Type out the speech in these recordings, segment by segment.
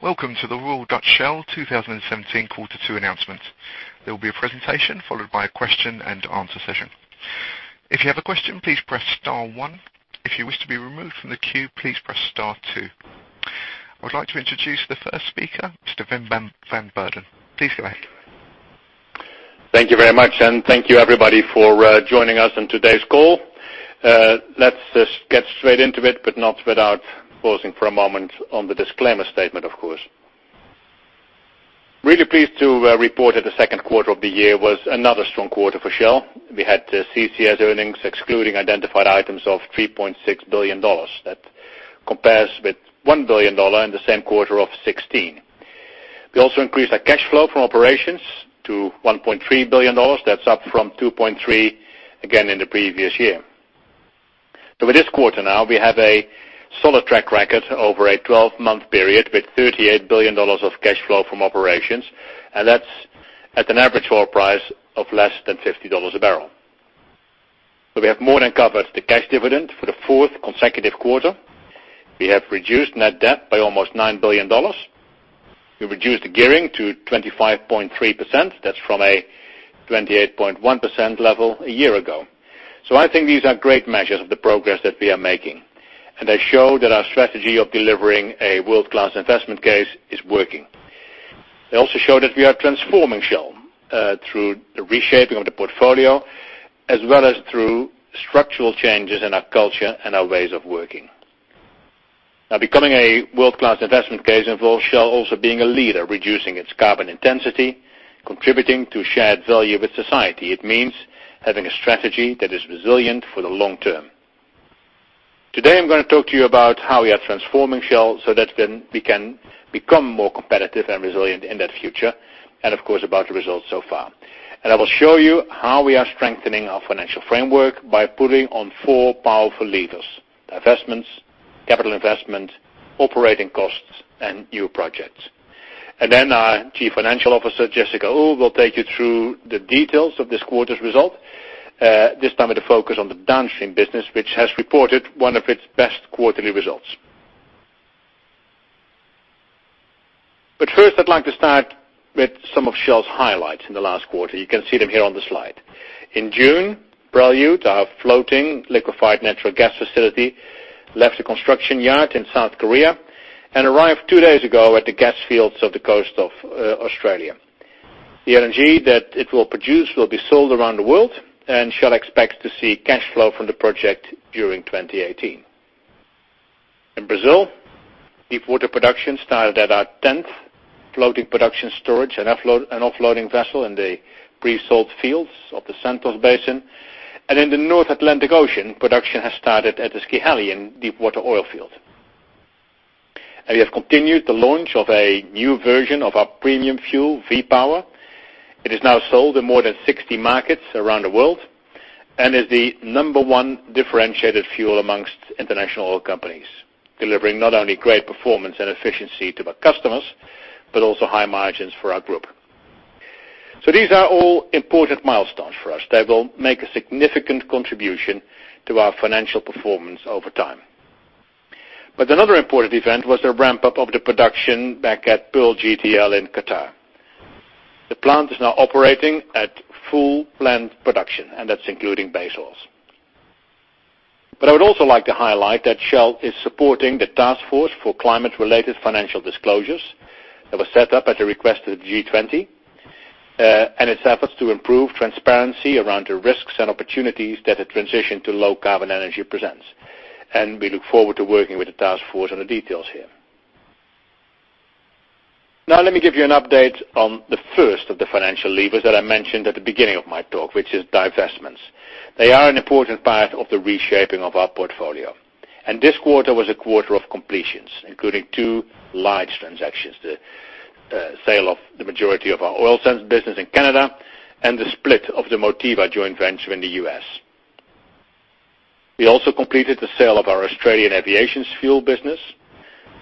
Welcome to the Royal Dutch Shell 2017 Q2 announcement. There will be a presentation followed by a question and answer session. If you have a question, please press star one. If you wish to be removed from the queue, please press star two. I would like to introduce the first speaker, Mr. Ben van Beurden. Please go ahead. Thank you very much, and thank you everybody for joining us on today's call. Let's just get straight into it, but not without pausing for a moment on the disclaimer statement, of course. Really pleased to report that the second quarter of the year was another strong quarter for Shell. We had CCS earnings excluding identified items of $3.6 billion. That compares with $1 billion in the same quarter of 2016. We also increased our cash flow from operations to $1.3 billion. That's up from $2.3 billion, again, in the previous year. With this quarter now, we have a solid track record over a 12-month period with $38 billion of cash flow from operations, and that's at an average oil price of less than $50 a barrel. We have more than covered the cash dividend for the fourth consecutive quarter. We have reduced net debt by almost $9 billion. We reduced the gearing to 25.3%. That's from a 28.1% level a year ago. I think these are great measures of the progress that we are making, and they show that our strategy of delivering a world-class investment case is working. They also show that we are transforming Shell through the reshaping of the portfolio, as well as through structural changes in our culture and our ways of working. Becoming a world-class investment case involves Shell also being a leader, reducing its carbon intensity, contributing to shared value with society. It means having a strategy that is resilient for the long term. Today, I'm going to talk to you about how we are transforming Shell so that we can become more competitive and resilient in that future, and of course, about the results so far. I will show you how we are strengthening our financial framework by pulling on four powerful levers, divestments, capital investment, operating costs, and new projects. Then our Chief Financial Officer, Jessica Uhl, will take you through the details of this quarter's result. This time with the focus on the downstream business, which has reported one of its best quarterly results. First, I'd like to start with some of Shell's highlights in the last quarter. You can see them here on the slide. In June, Prelude, our floating liquefied natural gas facility, left the construction yard in South Korea and arrived two days ago at the gas fields of the coast of Australia. The LNG that it will produce will be sold around the world, and Shell expects to see cash flow from the project during 2018. In Brazil, deepwater production started at our tenth floating production storage and offloading vessel in the pre-salt fields of the Santos Basin. In the North Atlantic Ocean, production has started at the Kaikias deepwater oil field. We have continued the launch of a new version of our premium fuel, V-Power. It is now sold in more than 60 markets around the world and is the number one differentiated fuel amongst international oil companies, delivering not only great performance and efficiency to our customers, but also high margins for our group. These are all important milestones for us that will make a significant contribution to our financial performance over time. Another important event was the ramp-up of the production back at Pearl GTL in Qatar. The plant is now operating at full planned production, and that's including base oils. I would also like to highlight that Shell is supporting the Task Force on Climate-related Financial Disclosures that was set up at the request of the G20, and its efforts to improve transparency around the risks and opportunities that a transition to low-carbon energy presents. We look forward to working with the Task Force on the details here. Now, let me give you an update on the first of the financial levers that I mentioned at the beginning of my talk, which is divestments. They are an important part of the reshaping of our portfolio. This quarter was a quarter of completions, including two large transactions, the sale of the majority of our oil sands business in Canada and the split of the Motiva joint venture in the U.S. We also completed the sale of our Australian aviations fuel business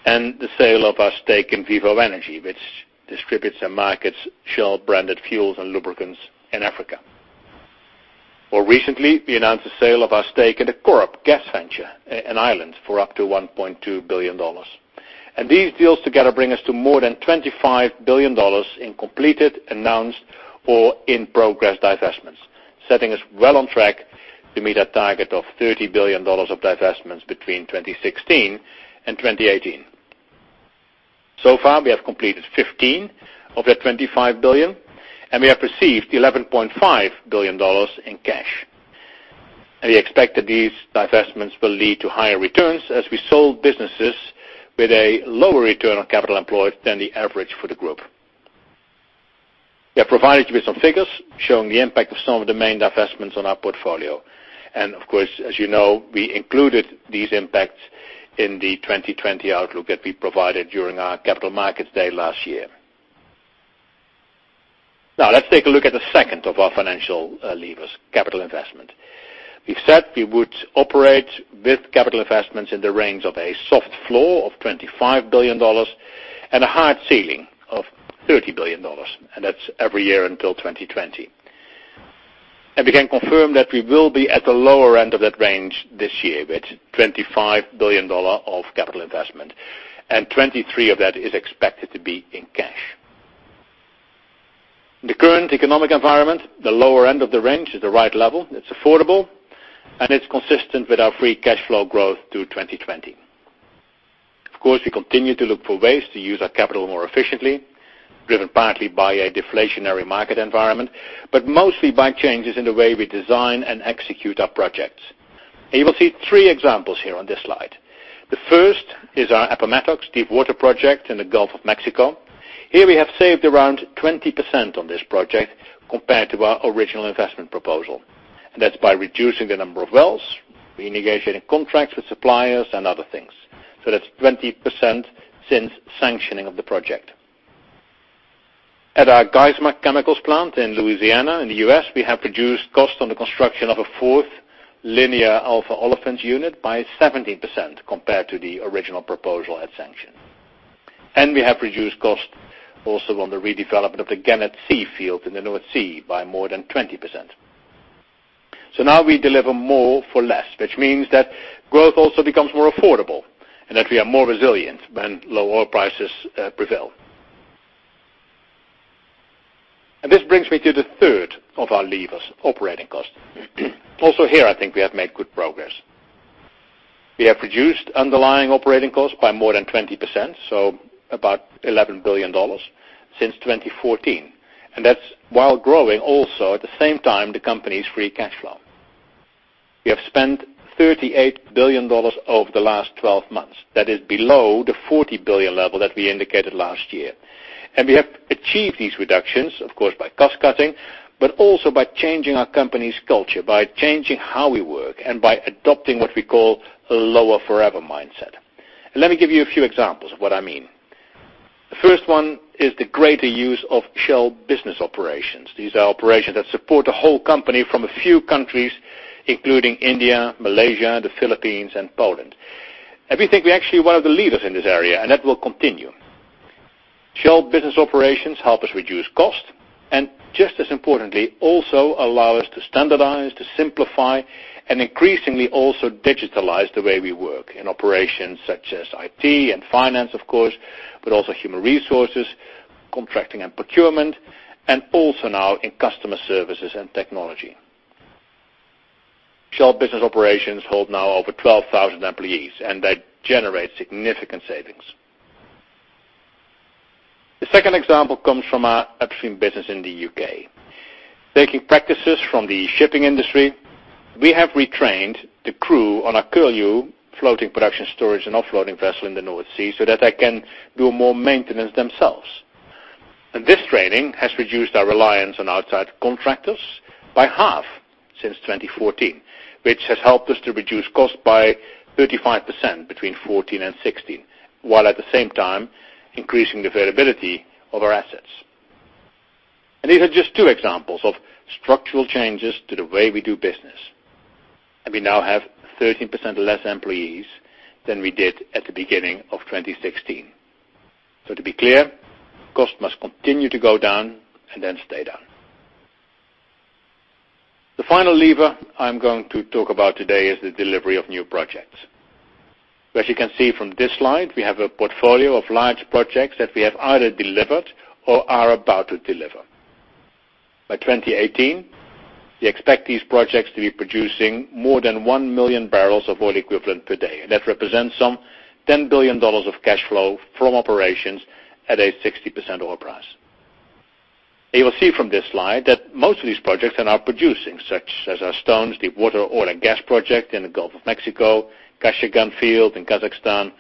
and the sale of our stake in Vivo Energy, which distributes and markets Shell-branded fuels and lubricants in Africa. More recently, we announced the sale of our stake in the Corrib gas venture in Ireland for up to $1.2 billion. These deals together bring us to more than $25 billion in completed, announced, or in-progress divestments, setting us well on track to meet our target of $30 billion of divestments between 2016 and 2018. So far, we have completed 15 of the 25 billion, and we have received $11.5 billion in cash. We expect that these divestments will lead to higher returns as we sold businesses with a lower return on capital employed than the average for the group. We have provided you with some figures showing the impact of some of the main divestments on our portfolio. Of course, as you know, we included these impacts in the 2020 outlook that we provided during our Capital Markets Day last year. Now, let's take a look at the second of our financial levers, capital investment. We've said we would operate with capital investments in the range of a soft floor of $25 billion and a hard ceiling of $30 billion, and that's every year until 2020. We can confirm that we will be at the lower end of that range this year with $25 billion of capital investment, and 23 of that is expected to be in cash. In the current economic environment, the lower end of the range is the right level. It's affordable and it's consistent with our free cash flow growth through 2020. Of course, we continue to look for ways to use our capital more efficiently, driven partly by a deflationary market environment, but mostly by changes in the way we design and execute our projects. You will see three examples here on this slide. The first is our Appomattox deepwater project in the Gulf of Mexico. Here we have saved around 20% on this project compared to our original investment proposal, and that's by reducing the number of wells, renegotiating contracts with suppliers, and other things. That's 20% since sanctioning of the project. At our Geismar chemicals plant in Louisiana in the U.S., we have reduced costs on the construction of a fourth linear alpha olefins unit by 70% compared to the original proposal at sanction. We have reduced cost also on the redevelopment of the Gannet C field in the North Sea by more than 20%. Now we deliver more for less, which means that growth also becomes more affordable and that we are more resilient when low oil prices prevail. This brings me to the third of our levers, operating costs. Also here, I think we have made good progress. We have reduced underlying operating costs by more than 20%, so about $11 billion, since 2014. That's while growing also at the same time, the company's free cash flow. We have spent $38 billion over the last 12 months. That is below the $40 billion level that we indicated last year. We have achieved these reductions, of course, by cost-cutting, but also by changing our company's culture, by changing how we work, and by adopting what we call a lower forever mindset. Let me give you a few examples of what I mean. The first one is the greater use of Shell Business Operations. These are operations that support the whole company from a few countries, including India, Malaysia, the Philippines, and Poland. We think we're actually one of the leaders in this area, and that will continue. Shell Business Operations help us reduce costs and just as importantly, also allow us to standardize, to simplify, and increasingly also digitalize the way we work in operations such as IT and finance, of course, but also human resources, contracting and procurement, and also now in customer services and technology. Shell Business Operations hold now over 12,000 employees, and they generate significant savings. The second example comes from our upstream business in the U.K. Taking practices from the shipping industry, we have retrained the crew on our Curlew floating production storage and offloading vessel in the North Sea so that they can do more maintenance themselves. This training has reduced our reliance on outside contractors by half since 2014, which has helped us to reduce costs by 35% between 2014 and 2016, while at the same time increasing the availability of our assets. These are just two examples of structural changes to the way we do business. We now have 13% less employees than we did at the beginning of 2016. To be clear, costs must continue to go down and then stay down. The final lever I'm going to talk about today is the delivery of new projects. As you can see from this slide, we have a portfolio of large projects that we have either delivered or are about to deliver. By 2018, we expect these projects to be producing more than 1 million barrels of oil equivalent per day, and that represents some $10 billion of cash flow from operations at a 60% oil price. You will see from this slide that most of these projects are now producing, such as our Stones deepwater oil and gas project in the Gulf of Mexico, Kashagan field in Kazakhstan,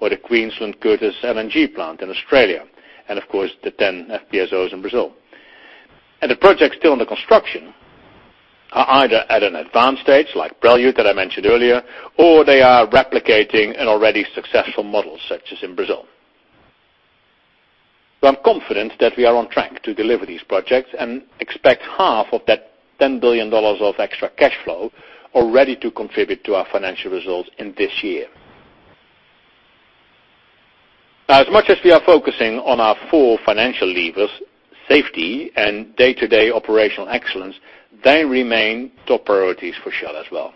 or the Queensland Curtis LNG plant in Australia, and of course, the 10 FPSOs in Brazil. The projects still under construction are either at an advanced stage, like Prelude that I mentioned earlier, or they are replicating an already successful model, such as in Brazil. I'm confident that we are on track to deliver these projects and expect half of that $10 billion of extra cash flow already to contribute to our financial results in this year. Now, as much as we are focusing on our four financial levers, safety and day-to-day operational excellence, they remain top priorities for Shell as well.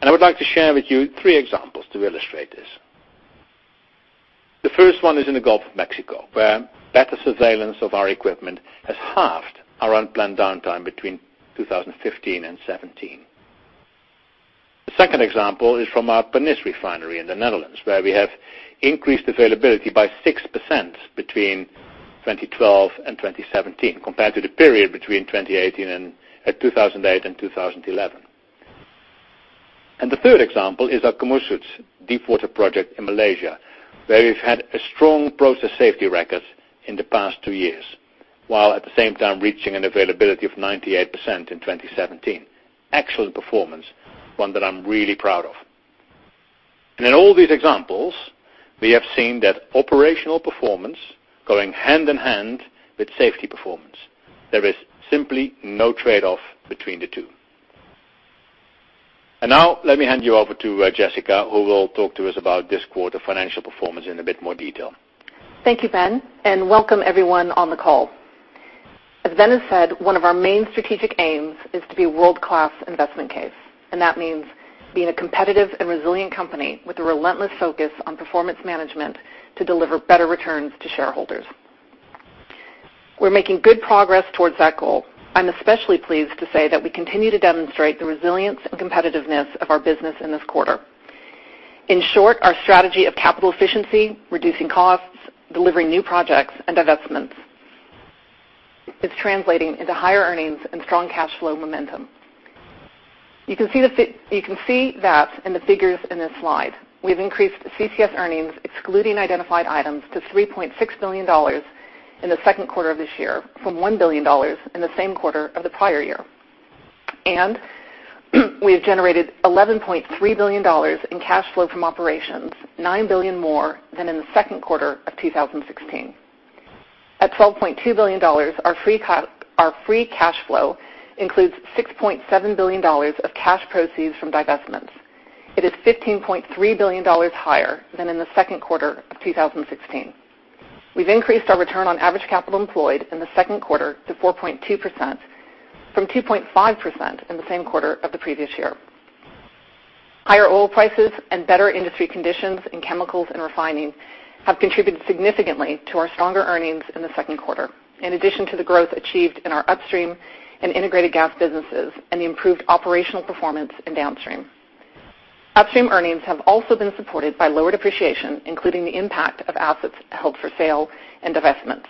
I would like to share with you three examples to illustrate this. The first one is in the Gulf of Mexico, where better surveillance of our equipment has halved our unplanned downtime between 2015 and 2017. The second example is from our Pernis refinery in the Netherlands, where we have increased availability by 6% between 2012 and 2017 compared to the period between 2008 and 2011. The third example is our Gumusut-Kakap deepwater project in Malaysia, where we've had a strong process safety record in the past two years, while at the same time reaching an availability of 98% in 2017. Excellent performance, one that I'm really proud of. In all these examples, we have seen that operational performance going hand in hand with safety performance. There is simply no trade-off between the two. Now let me hand you over to Jessica, who will talk to us about this quarter financial performance in a bit more detail. Thank you, Ben, and welcome everyone on the call. As Ben has said, one of our main strategic aims is to be a world-class investment case, and that means being a competitive and resilient company with a relentless focus on performance management to deliver better returns to shareholders. We're making good progress towards that goal. I'm especially pleased to say that we continue to demonstrate the resilience and competitiveness of our business in this quarter. In short, our strategy of capital efficiency, reducing costs, delivering new projects, and divestments is translating into higher earnings and strong cash flow momentum. You can see that in the figures in this slide. We've increased CCS earnings, excluding identified items, to $3.6 billion in the second quarter of this year from $1 billion in the same quarter of the prior year. We have generated $11.3 billion in cash flow from operations, nine billion more than in the second quarter of 2016. At $12.2 billion, our free cash flow includes $6.7 billion of cash proceeds from divestments. It is $15.3 billion higher than in the second quarter of 2016. We've increased our return on average capital employed in the second quarter to 4.2% from 2.5% in the same quarter of the previous year. Higher oil prices and better industry conditions in chemicals and refining have contributed significantly to our stronger earnings in the second quarter. In addition to the growth achieved in our Upstream and Integrated Gas businesses and the improved operational performance in Downstream. Upstream earnings have also been supported by lower depreciation, including the impact of assets held for sale and divestments.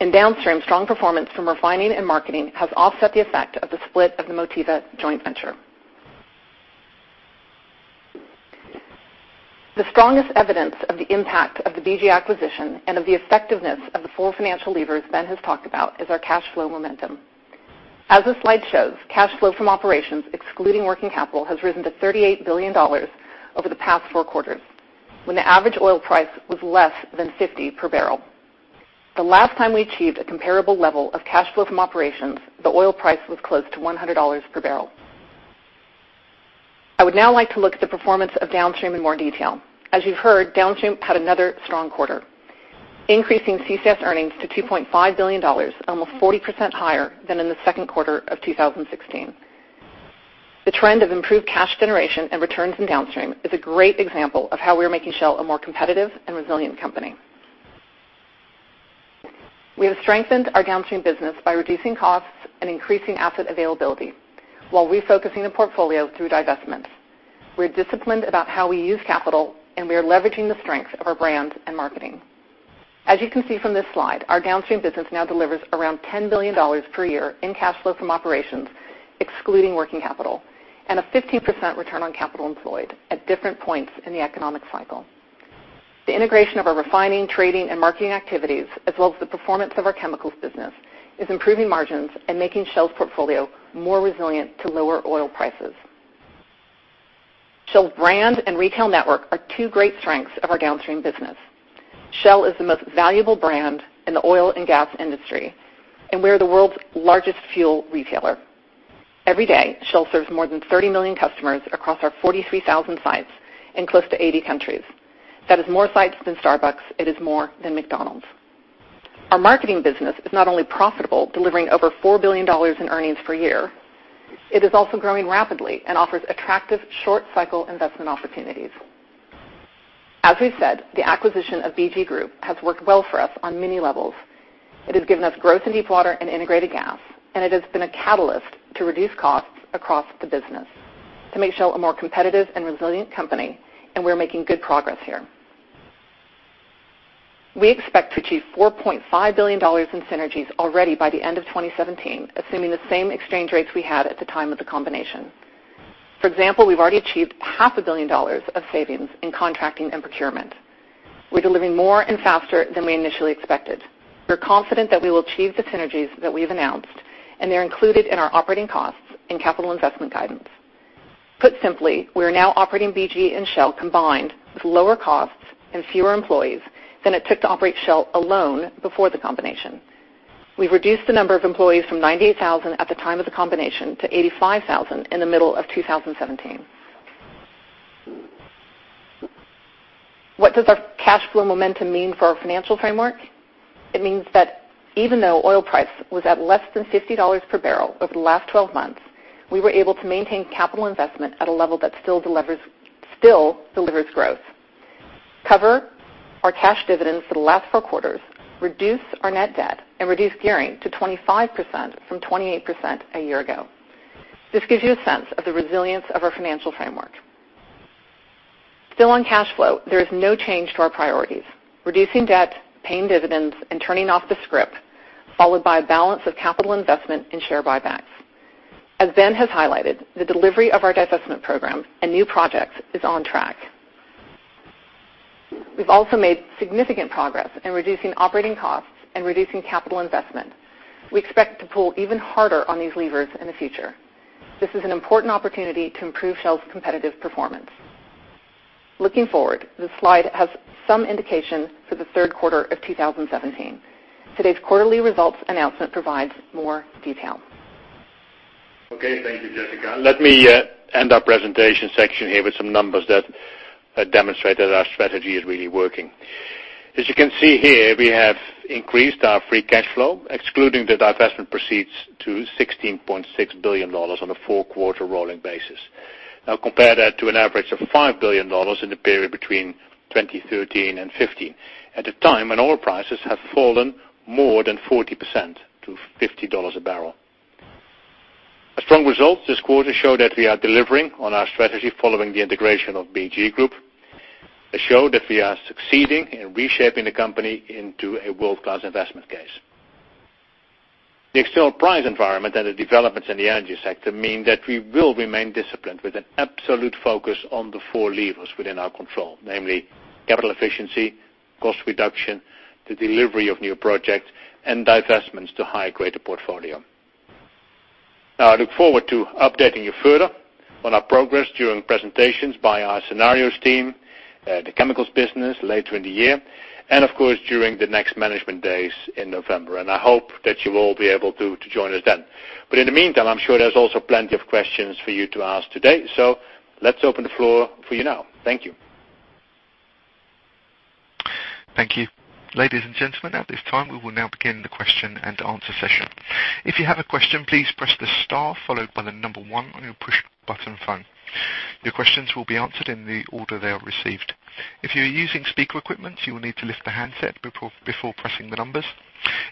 In Downstream, strong performance from refining and marketing has offset the effect of the split of the Motiva joint venture. The strongest evidence of the impact of the BG acquisition and of the effectiveness of the four financial levers Ben has talked about is our cash flow momentum. As the slide shows, cash flow from operations excluding working capital has risen to $38 billion over the past four quarters, when the average oil price was less than $50 per barrel. The last time we achieved a comparable level of cash flow from operations, the oil price was close to $100 per barrel. I would now like to look at the performance of Downstream in more detail. As you've heard, Downstream had another strong quarter, increasing CCS earnings to $2.5 billion, almost 40% higher than in the second quarter of 2016. The trend of improved cash generation and returns in Downstream is a great example of how we're making Shell a more competitive and resilient company. We have strengthened our Downstream business by reducing costs and increasing asset availability while refocusing the portfolio through divestments. We're disciplined about how we use capital, and we are leveraging the strength of our brand and marketing. As you can see from this slide, our Downstream business now delivers around $10 billion per year in cash flow from operations, excluding working capital, and a 15% return on capital employed at different points in the economic cycle. The integration of our refining, trading, and marketing activities, as well as the performance of our chemicals business, is improving margins and making Shell's portfolio more resilient to lower oil prices. Shell's brand and retail network are two great strengths of our Downstream business. Shell is the most valuable brand in the oil and gas industry, and we are the world's largest fuel retailer. Every day, Shell serves more than 30 million customers across our 43,000 sites in close to 80 countries. That is more sites than Starbucks. It is more than McDonald's. Our marketing business is not only profitable, delivering over $4 billion in earnings per year, it is also growing rapidly and offers attractive short-cycle investment opportunities. As we've said, the acquisition of BG Group has worked well for us on many levels. It has given us growth in deep water and Integrated Gas, and it has been a catalyst to reduce costs across the business to make Shell a more competitive and resilient company, and we're making good progress here. We expect to achieve $4.5 billion in synergies already by the end of 2017, assuming the same exchange rates we had at the time of the combination. For example, we've already achieved half a billion dollars of savings in contracting and procurement. We're delivering more and faster than we initially expected. We're confident that we will achieve the synergies that we've announced, and they're included in our operating costs and capital investment guidance. Put simply, we are now operating BG and Shell combined with lower costs and fewer employees than it took to operate Shell alone before the combination. We've reduced the number of employees from 98,000 at the time of the combination to 85,000 in the middle of 2017. What does our cash flow momentum mean for our financial framework? It means that even though oil price was at less than $50 per barrel over the last 12 months, we were able to maintain capital investment at a level that still delivers growth, cover our cash dividends for the last four quarters, reduce our net debt, and reduce gearing to 25% from 28% a year ago. This gives you a sense of the resilience of our financial framework. Still on cash flow, there is no change to our priorities. Reducing debt, paying dividends, and turning off the scrip, followed by a balance of capital investment and share buybacks. As Ben has highlighted, the delivery of our divestment program and new projects is on track. We've also made significant progress in reducing operating costs and reducing capital investment. We expect to pull even harder on these levers in the future. This is an important opportunity to improve Shell's competitive performance. Looking forward, this slide has some indication for the third quarter of 2017. Today's quarterly results announcement provides more detail. Okay. Thank you, Jessica. Let me end our presentation section here with some numbers that demonstrate that our strategy is really working. As you can see here, we have increased our free cash flow, excluding the divestment proceeds, to $16.6 billion on a four-quarter rolling basis. Now compare that to an average of $5 billion in the period between 2013 and 2015, at a time when oil prices have fallen more than 40% to $50 a barrel. A strong result this quarter show that we are delivering on our strategy following the integration of BG Group, that show that we are succeeding in reshaping the company into a world-class investment case. The external price environment and the developments in the energy sector mean that we will remain disciplined with an absolute focus on the four levers within our control, namely capital efficiency, cost reduction, the delivery of new projects, and divestments to high-grade our portfolio. I look forward to updating you further on our progress during presentations by our scenarios team, the chemicals business later in the year, and of course, during the next Management Day in November. I hope that you all be able to join us then. In the meantime, I'm sure there's also plenty of questions for you to ask today. Let's open the floor for you now. Thank you. Thank you. Ladies and gentlemen, at this time, we will now begin the question and answer session. If you have a question, please press the star followed by the number one on your push button phone. Your questions will be answered in the order they are received. If you're using speaker equipment, you will need to lift the handset before pressing the numbers.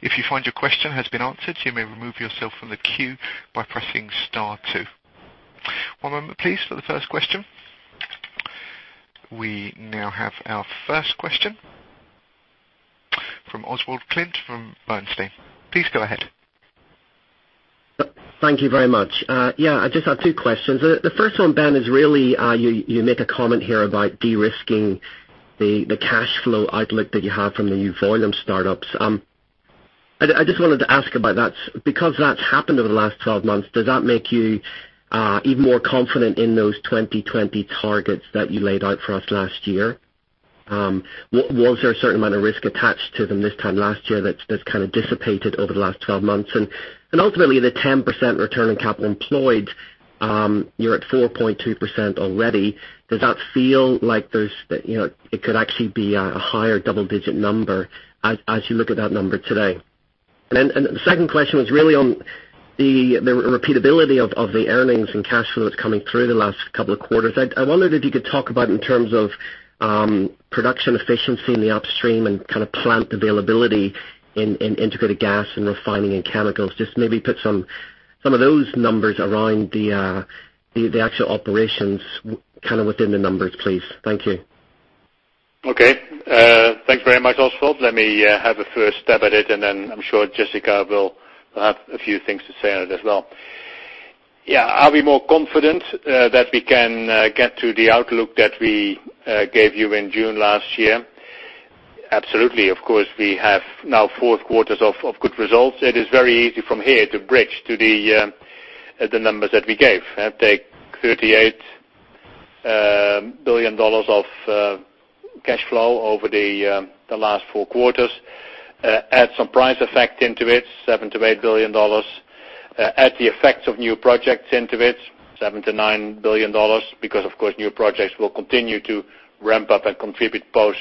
If you find your question has been answered, you may remove yourself from the queue by pressing star two. One moment please for the first question. We now have our first question from Oswald Clint from Bernstein. Please go ahead. Thank you very much. I just have two questions. The first one, Ben, is, you make a comment here about de-risking the cash flow outlook that you have from the new volume startups. I just wanted to ask about that, because that's happened over the last 12 months, does that make you even more confident in those 2020 targets that you laid out for us last year? Was there a certain amount of risk attached to them this time last year that's kind of dissipated over the last 12 months? Ultimately, the 10% return on capital employed, you're at 4.2% already. Does that feel like it could actually be a higher double-digit number as you look at that number today? The second question was really on the repeatability of the earnings and cash flow that's coming through the last couple of quarters. I wondered if you could talk about in terms of production efficiency in the upstream and plant availability in integrated gas and refining and chemicals. Just maybe put some of those numbers around the actual operations within the numbers, please. Thank you. Okay. Thanks very much, Oswald. Let me have a first stab at it, then I'm sure Jessica will have a few things to say on it as well. Are we more confident that we can get to the outlook that we gave you in June last year? Absolutely. Of course, we have now four quarters of good results. It is very easy from here to bridge to the numbers that we gave. Take $38 billion of cash flow over the last four quarters. Add some price effect into it, $7 billion-$8 billion. Add the effects of new projects into it, $7 billion-$9 billion, because, of course, new projects will continue to ramp up and contribute post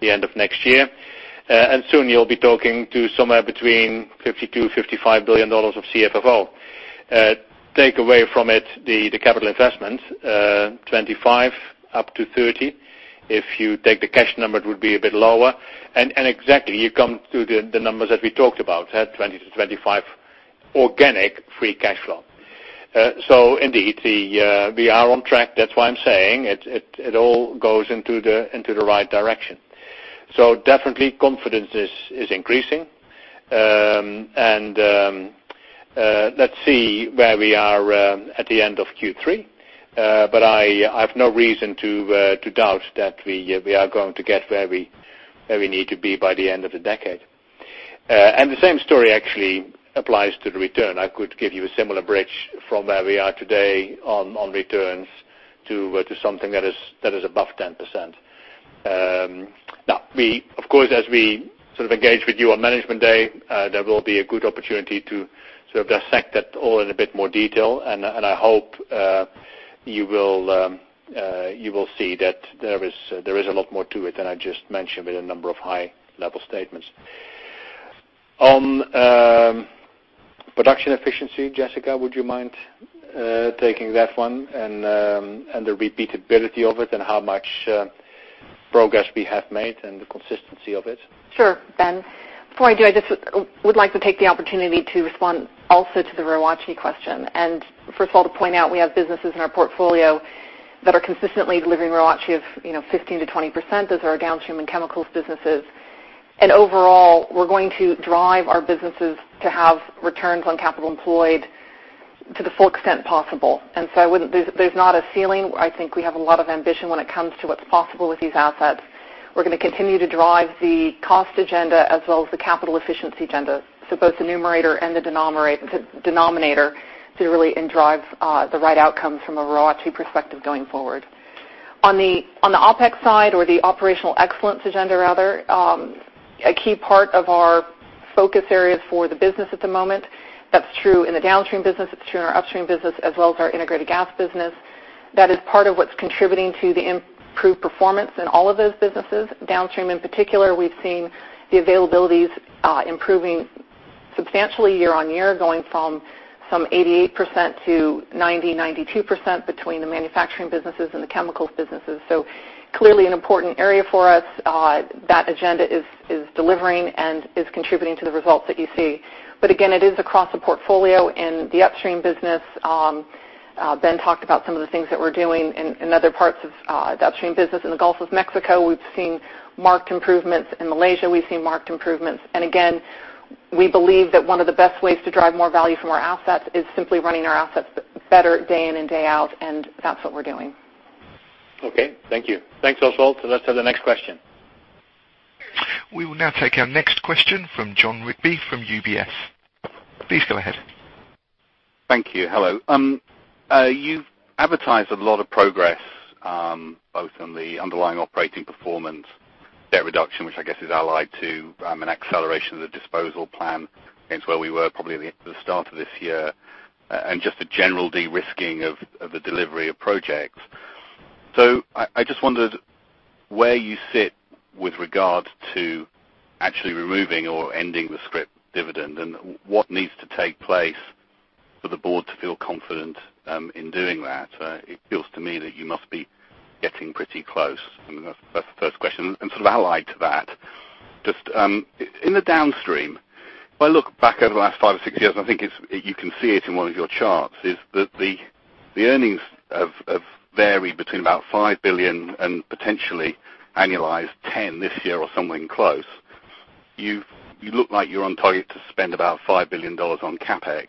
the end of next year. Soon you'll be talking to somewhere between $52 billion-$55 billion of CFFO. Take away from it the capital investment, $25 billion up to $30 billion. If you take the cash number, it would be a bit lower. Exactly, you come to the numbers that we talked about, $20 billion-$25 billion organic free cash flow. Indeed, we are on track. That's why I'm saying it all goes into the right direction. Definitely confidence is increasing. Let's see where we are at the end of Q3. I have no reason to doubt that we are going to get where we need to be by the end of the decade. The same story actually applies to the return. I could give you a similar bridge from where we are today on returns to something that is above 10%. Now, of course, as we engage with you on Management Day, there will be a good opportunity to dissect that all in a bit more detail. I hope you will see that there is a lot more to it than I just mentioned with a number of high-level statements. On production efficiency, Jessica, would you mind taking that one and the repeatability of it and how much progress we have made and the consistency of it? Sure. Ben, before I do, I just would like to take the opportunity to respond also to the ROACE question. First of all, to point out we have businesses in our portfolio that are consistently delivering ROACE of 15%-20%. Those are our downstream and chemicals businesses. Overall, we're going to drive our businesses to have returns on capital employed to the full extent possible. There's not a ceiling. I think we have a lot of ambition when it comes to what's possible with these assets. We're going to continue to drive the cost agenda as well as the capital efficiency agenda. Both the numerator and the denominator to really drive the right outcomes from a ROACE perspective going forward. On the OpEx side, or the operational excellence agenda rather, a key part of our focus areas for the business at the moment, that's true in the downstream business, it's true in our upstream business, as well as our integrated gas business. That is part of what's contributing to the improved performance in all of those businesses. Downstream, in particular, we've seen the availabilities improving substantially year-on-year, going from some 88% to 90%, 92% between the manufacturing businesses and the chemicals businesses. Clearly an important area for us. That agenda is delivering and is contributing to the results that you see. Again, it is across the portfolio in the upstream business. Ben talked about some of the things that we're doing in other parts of the upstream business. In the Gulf of Mexico, we've seen marked improvements. In Malaysia, we've seen marked improvements. Again, we believe that one of the best ways to drive more value from our assets is simply running our assets better day in and day out, and that's what we're doing. Okay. Thank you. Thanks, Oswald. Let's have the next question. We will now take our next question from Jon Rigby from UBS. Please go ahead. Thank you. Hello. You've advertised a lot of progress, both on the underlying operating performance, debt reduction, which I guess is allied to an acceleration of the disposal plan against where we were probably at the start of this year, and just a general de-risking of the delivery of projects. I just wondered where you sit with regard to actually removing or ending the scrip dividend, and what needs to take place for the board to feel confident in doing that. It feels to me that you must be getting pretty close. That's the first question. Allied to that, just in the downstream, if I look back over the last five or six years, and I think you can see it in one of your charts, is that the earnings have varied between about $5 billion and potentially annualized $10 billion this year or somewhere in close. You look like you're on target to spend about $5 billion on CapEx.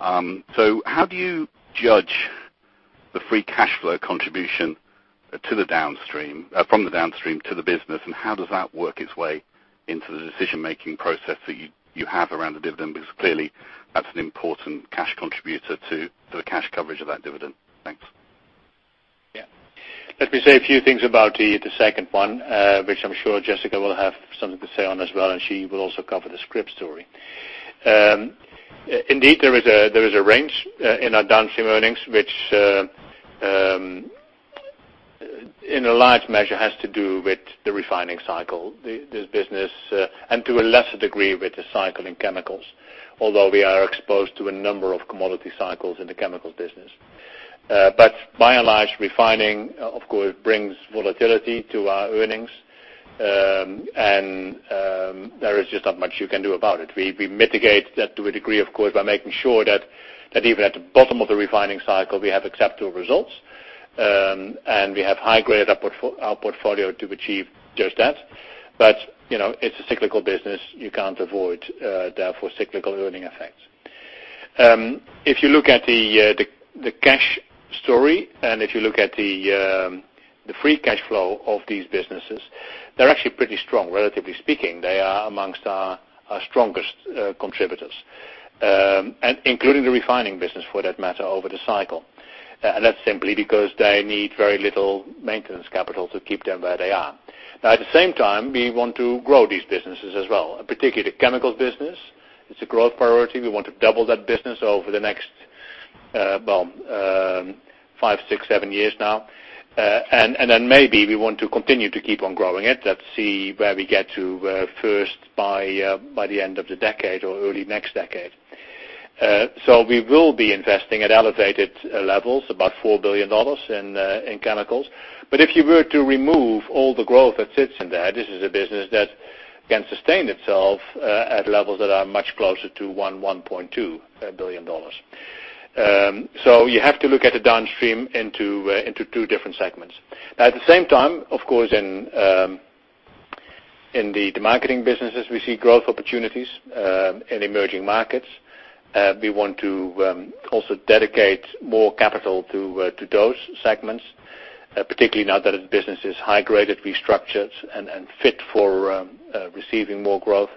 How do you judge the free cash flow contribution from the downstream to the business, and how does that work its way into the decision-making process that you have around the dividend? Because clearly, that's an important cash contributor to the cash coverage of that dividend. Thanks. Yeah. Let me say a few things about the second one, which I'm sure Jessica will have something to say on as well, and she will also cover the scrip story. Indeed, there is a range in our downstream earnings, which in a large measure has to do with the refining cycle, this business, and to a lesser degree, with the cycle in chemicals. We are exposed to a number of commodity cycles in the chemicals business. By and large, refining, of course, brings volatility to our earnings, and there is just not much you can do about it. We mitigate that to a degree, of course, by making sure that even at the bottom of the refining cycle, we have acceptable results, and we have high-graded our portfolio to achieve just that. It's a cyclical business. You can't avoid, therefore, cyclical earning effects. If you look at the cash story, and if you look at the free cash flow of these businesses, they're actually pretty strong, relatively speaking. They are amongst our strongest contributors, including the refining business for that matter, over the cycle. That's simply because they need very little maintenance capital to keep them where they are. At the same time, we want to grow these businesses as well, particularly the chemicals business. It's a growth priority. We want to double that business over the next five, six, seven years now. Then maybe we want to continue to keep on growing it. Let's see where we get to first by the end of the decade or early next decade. We will be investing at elevated levels, about $4 billion in chemicals. If you were to remove all the growth that sits in there, this is a business that can sustain itself at levels that are much closer to $1 billion, $1.2 billion. You have to look at the downstream into two different segments. At the same time, of course, in the marketing businesses, we see growth opportunities in emerging markets. We want to also dedicate more capital to those segments, particularly now that the business is high-graded, restructured, and fit for receiving more growth.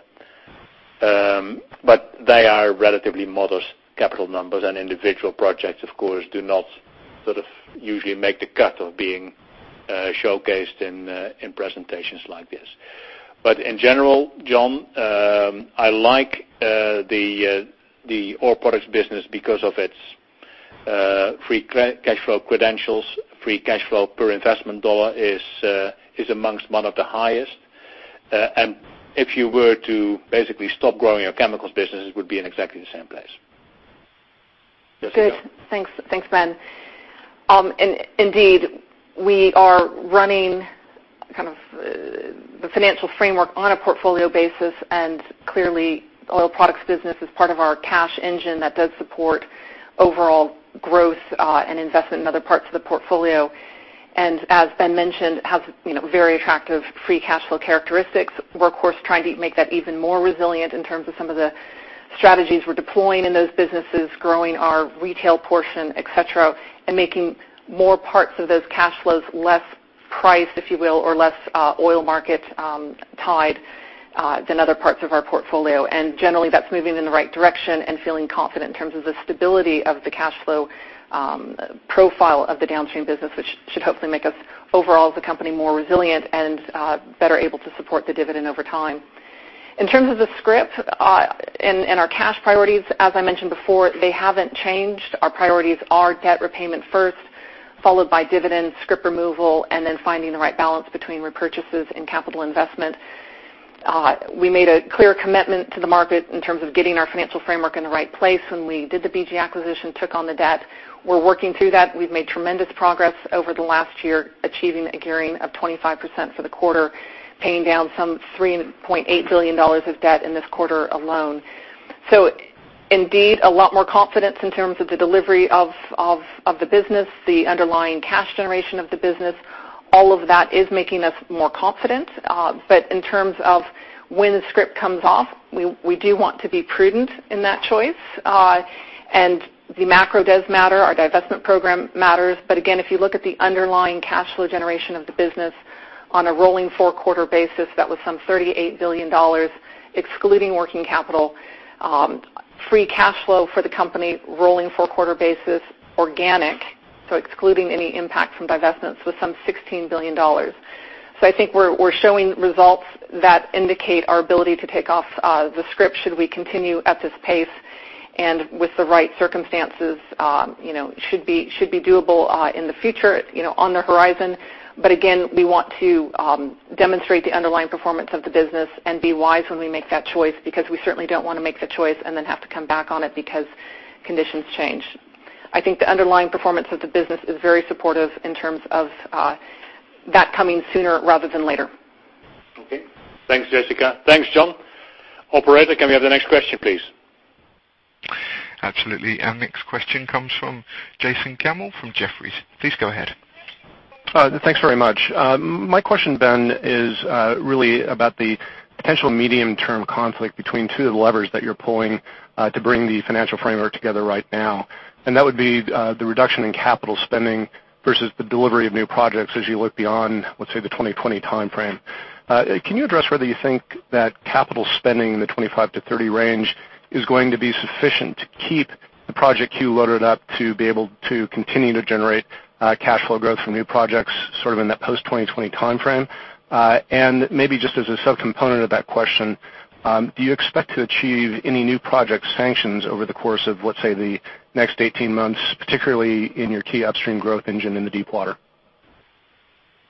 They are relatively modest capital numbers, and individual projects, of course, do not usually make the cut of being showcased in presentations like this. In general, Jon, I like the oil products business because of its free cash flow credentials. Free cash flow per investment dollar is amongst one of the highest. If you were to basically stop growing your chemicals business, it would be in exactly the same place. Jessica. Good. Thanks, Ben. Indeed, we are running the financial framework on a portfolio basis, clearly, oil products business is part of our cash engine that does support overall growth and investment in other parts of the portfolio. As Ben mentioned, has very attractive free cash flow characteristics. We're, of course, trying to make that even more resilient in terms of some of the strategies we're deploying in those businesses, growing our retail portion, et cetera, and making more parts of those cash flows less priced, if you will, or less oil market-tied than other parts of our portfolio. Generally that's moving in the right direction and feeling confident in terms of the stability of the cash flow profile of the downstream business, which should hopefully make us, overall as a company, more resilient and better able to support the dividend over time. In terms of the scrip and our cash priorities, as I mentioned before, they haven't changed. Our priorities are debt repayment first, followed by dividends, scrip removal, and then finding the right balance between repurchases and capital investment. We made a clear commitment to the market in terms of getting our financial framework in the right place when we did the BG acquisition, took on the debt. We're working through that. We've made tremendous progress over the last year, achieving a gearing of 25% for the quarter, paying down some $3.8 billion of debt in this quarter alone. Indeed, a lot more confidence in terms of the delivery of the business, the underlying cash generation of the business. All of that is making us more confident. In terms of when the scrip comes off, we do want to be prudent in that choice. The macro does matter. Our divestment program matters. Again, if you look at the underlying cash flow generation of the business on a rolling four-quarter basis, that was some $38 billion, excluding working capital. Free cash flow for the company, rolling four-quarter basis, organic, so excluding any impact from divestments, was some $16 billion. I think we're showing results that indicate our ability to take off the scrip should we continue at this pace and with the right circumstances, should be doable in the future, on the horizon. Again, we want to demonstrate the underlying performance of the business and be wise when we make that choice, because we certainly don't want to make the choice and then have to come back on it because conditions change. I think the underlying performance of the business is very supportive in terms of that coming sooner rather than later. Okay. Thanks, Jessica. Thanks, Jon. Operator, can we have the next question, please? Absolutely. Our next question comes from Jason Gammel from Jefferies. Please go ahead. Thanks very much. My question, Ben, is really about the potential medium-term conflict between two of the levers that you're pulling to bring the financial framework together right now. That would be the reduction in capital spending versus the delivery of new projects as you look beyond, let's say, the 2020 timeframe. Can you address whether you think that capital spending in the $25-$30 range is going to be sufficient to keep the project queue loaded up to be able to continue to generate cash flow growth from new projects sort of in that post-2020 timeframe? Maybe just as a sub-component of that question, do you expect to achieve any new project sanctions over the course of, let's say, the next 18 months, particularly in your key upstream growth engine in the deepwater?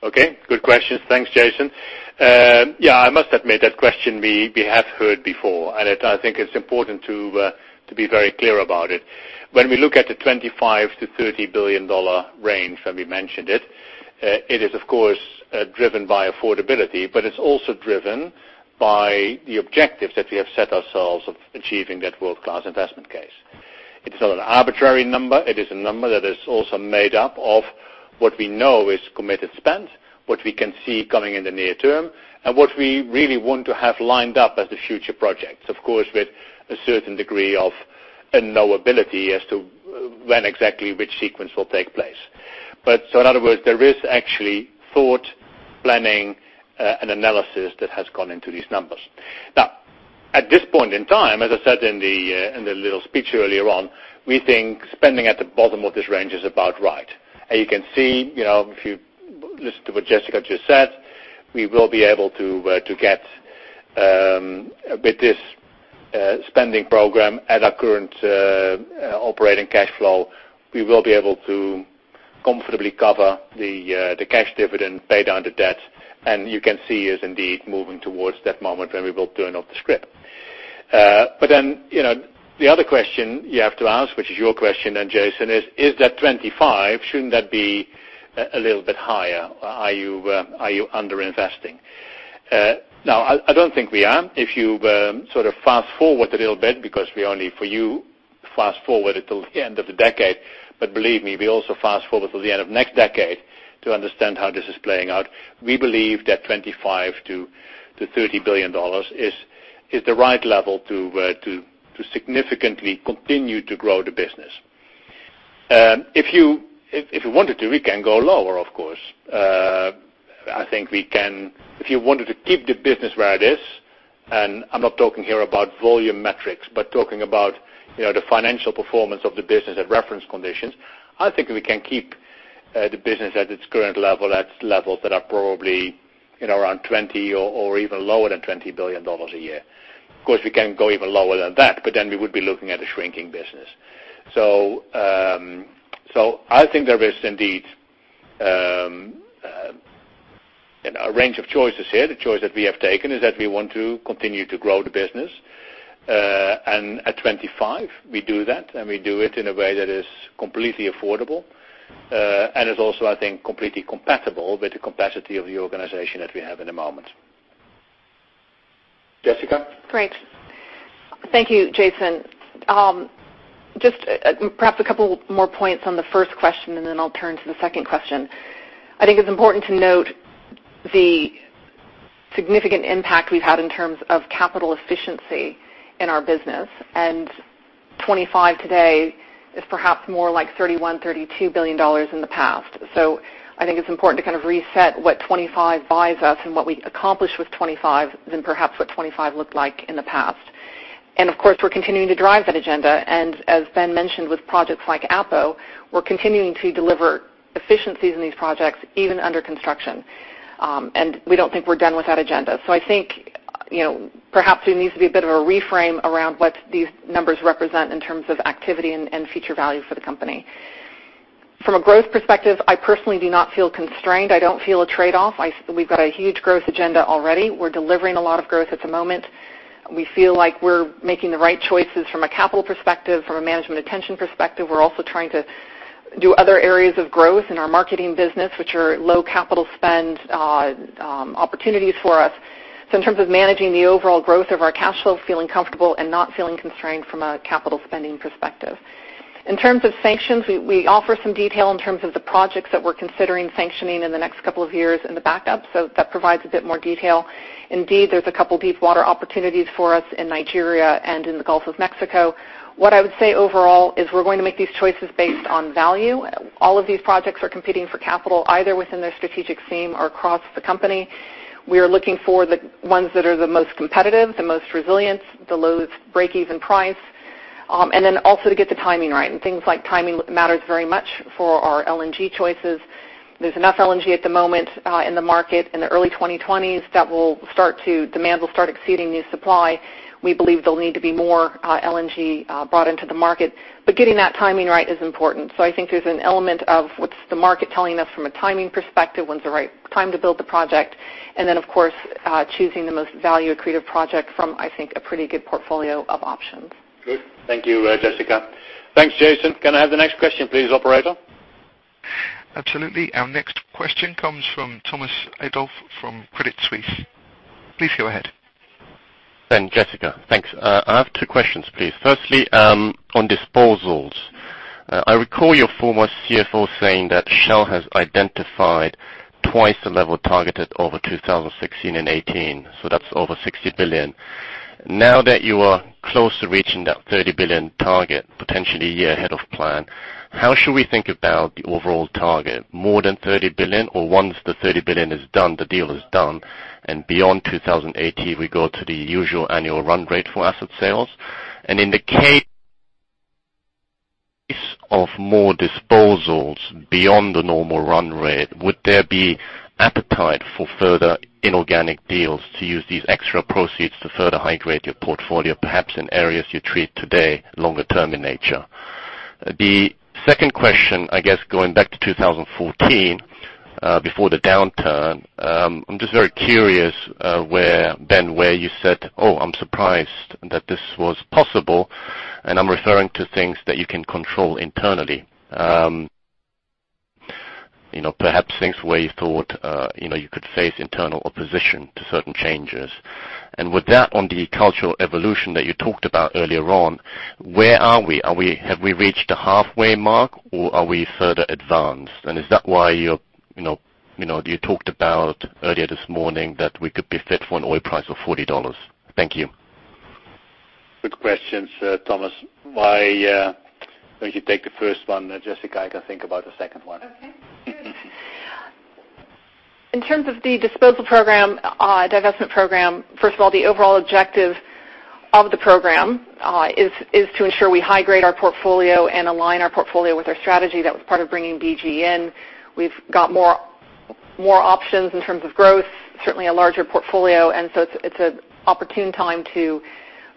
Okay, good questions. Thanks, Jason. Yeah, I must admit, that question we have heard before, and I think it's important to be very clear about it. When we look at the $25 billion-$30 billion range, and we mentioned it is of course, driven by affordability, but it's also driven by the objectives that we have set ourselves of achieving that world-class investment case. It's not an arbitrary number. It is a number that is also made up of what we know is committed spend, what we can see coming in the near term, and what we really want to have lined up as the future projects. Of course, with a certain degree of unknowability as to when exactly which sequence will take place. In other words, there is actually thought, planning, and analysis that has gone into these numbers. At this point in time, as I said in the little speech earlier on, we think spending at the bottom of this range is about right. You can see, if you listen to what Jessica Uhl just said, with this spending program at our current operating cash flow, we will be able to comfortably cover the cash dividend, pay down the debt, and you can see us indeed moving towards that moment when we will turn off the scrip. The other question you have to ask, which is your question then, Jason, is that $25 billion, shouldn't that be a little bit higher? Are you under-investing? I don't think we are. If you sort of fast-forward a little bit, because we only, for you, fast-forward it till the end of the decade. Believe me, we also fast-forward till the end of next decade to understand how this is playing out. We believe that $25 billion-$30 billion is the right level to significantly continue to grow the business. If we wanted to, we can go lower, of course. If you wanted to keep the business where it is, and I'm not talking here about volume metrics, but talking about the financial performance of the business at reference conditions, I think we can keep the business at its current level, at levels that are probably around $20 billion or even lower than $20 billion a year. Of course, we can go even lower than that, but then we would be looking at a shrinking business. I think there is indeed a range of choices here. The choice that we have taken is that we want to continue to grow the business. At $25 billion, we do that, and we do it in a way that is completely affordable. It's also, I think, completely compatible with the capacity of the organization that we have at the moment. Jessica Uhl? Great. Thank you, Jason. Just perhaps a couple more points on the first question, then I'll turn to the second question. I think it's important to note the significant impact we've had in terms of capital efficiency in our business. 25 today is perhaps more like $31 billion, $32 billion in the past. I think it's important to kind of reset what 25 buys us and what we accomplish with 25 than perhaps what 25 looked like in the past. Of course, we're continuing to drive that agenda. As Ben mentioned, with projects like Appomattox, we're continuing to deliver efficiencies in these projects even under construction. We don't think we're done with that agenda. I think perhaps there needs to be a bit of a reframe around what these numbers represent in terms of activity and future value for the company. From a growth perspective, I personally do not feel constrained. I don't feel a trade-off. We've got a huge growth agenda already. We're delivering a lot of growth at the moment. We feel like we're making the right choices from a capital perspective, from a management attention perspective. We're also trying to do other areas of growth in our marketing business, which are low capital spend opportunities for us. In terms of managing the overall growth of our cash flow, feeling comfortable and not feeling constrained from a capital spending perspective. In terms of sanctions, we offer some detail in terms of the projects that we're considering sanctioning in the next couple of years in the backup. That provides a bit more detail. Indeed, there's a couple deepwater opportunities for us in Nigeria and in the Gulf of Mexico. What I would say overall is we're going to make these choices based on value. All of these projects are competing for capital, either within their strategic seam or across the company. We are looking for the ones that are the most competitive, the most resilient, the lowest breakeven price, then also to get the timing right. Things like timing matters very much for our LNG choices. There's enough LNG at the moment in the market. In the early 2020s, demand will start exceeding new supply. We believe there'll need to be more LNG brought into the market, but getting that timing right is important. I think there's an element of what's the market telling us from a timing perspective, when's the right time to build the project, then, of course, choosing the most value-accretive project from, I think, a pretty good portfolio of options. Good. Thank you, Jessica. Thanks, Jason. Can I have the next question please, operator? Absolutely. Our next question comes from Thomas Adolff from Credit Suisse. Please go ahead. Ben, Jessica, thanks. I have two questions, please. Firstly, on disposals. I recall your former CFO saying that Shell has identified twice the level targeted over 2016 and 2018, so that's over $60 billion. Now that you are close to reaching that $30 billion target, potentially a year ahead of plan, how should we think about the overall target? More than $30 billion or once the $30 billion is done, the deal is done, and beyond 2018, we go to the usual annual run rate for asset sales? In the case of more disposals beyond the normal run rate, would there be appetite for further inorganic deals to use these extra proceeds to further high-grade your portfolio, perhaps in areas you treat today longer term in nature? The second question, I guess going back to 2014, before the downturn, I'm just very curious, Ben, where you said, "Oh, I'm surprised that this was possible," and I'm referring to things that you can control internally. Perhaps things where you thought you could face internal opposition to certain changes. With that on the cultural evolution that you talked about earlier on, where are we? Have we reached the halfway mark, or are we further advanced? Is that why you talked about earlier this morning that we could be fit for an oil price of $40? Thank you. Good questions, Thomas. Why don't you take the first one, Jessica? I can think about the second one. Okay, good. In terms of the disposal program, divestment program, first of all, the overall objective of the program is to ensure we high-grade our portfolio and align our portfolio with our strategy that was part of bringing BG in. We've got more options in terms of growth, certainly a larger portfolio. It's an opportune time to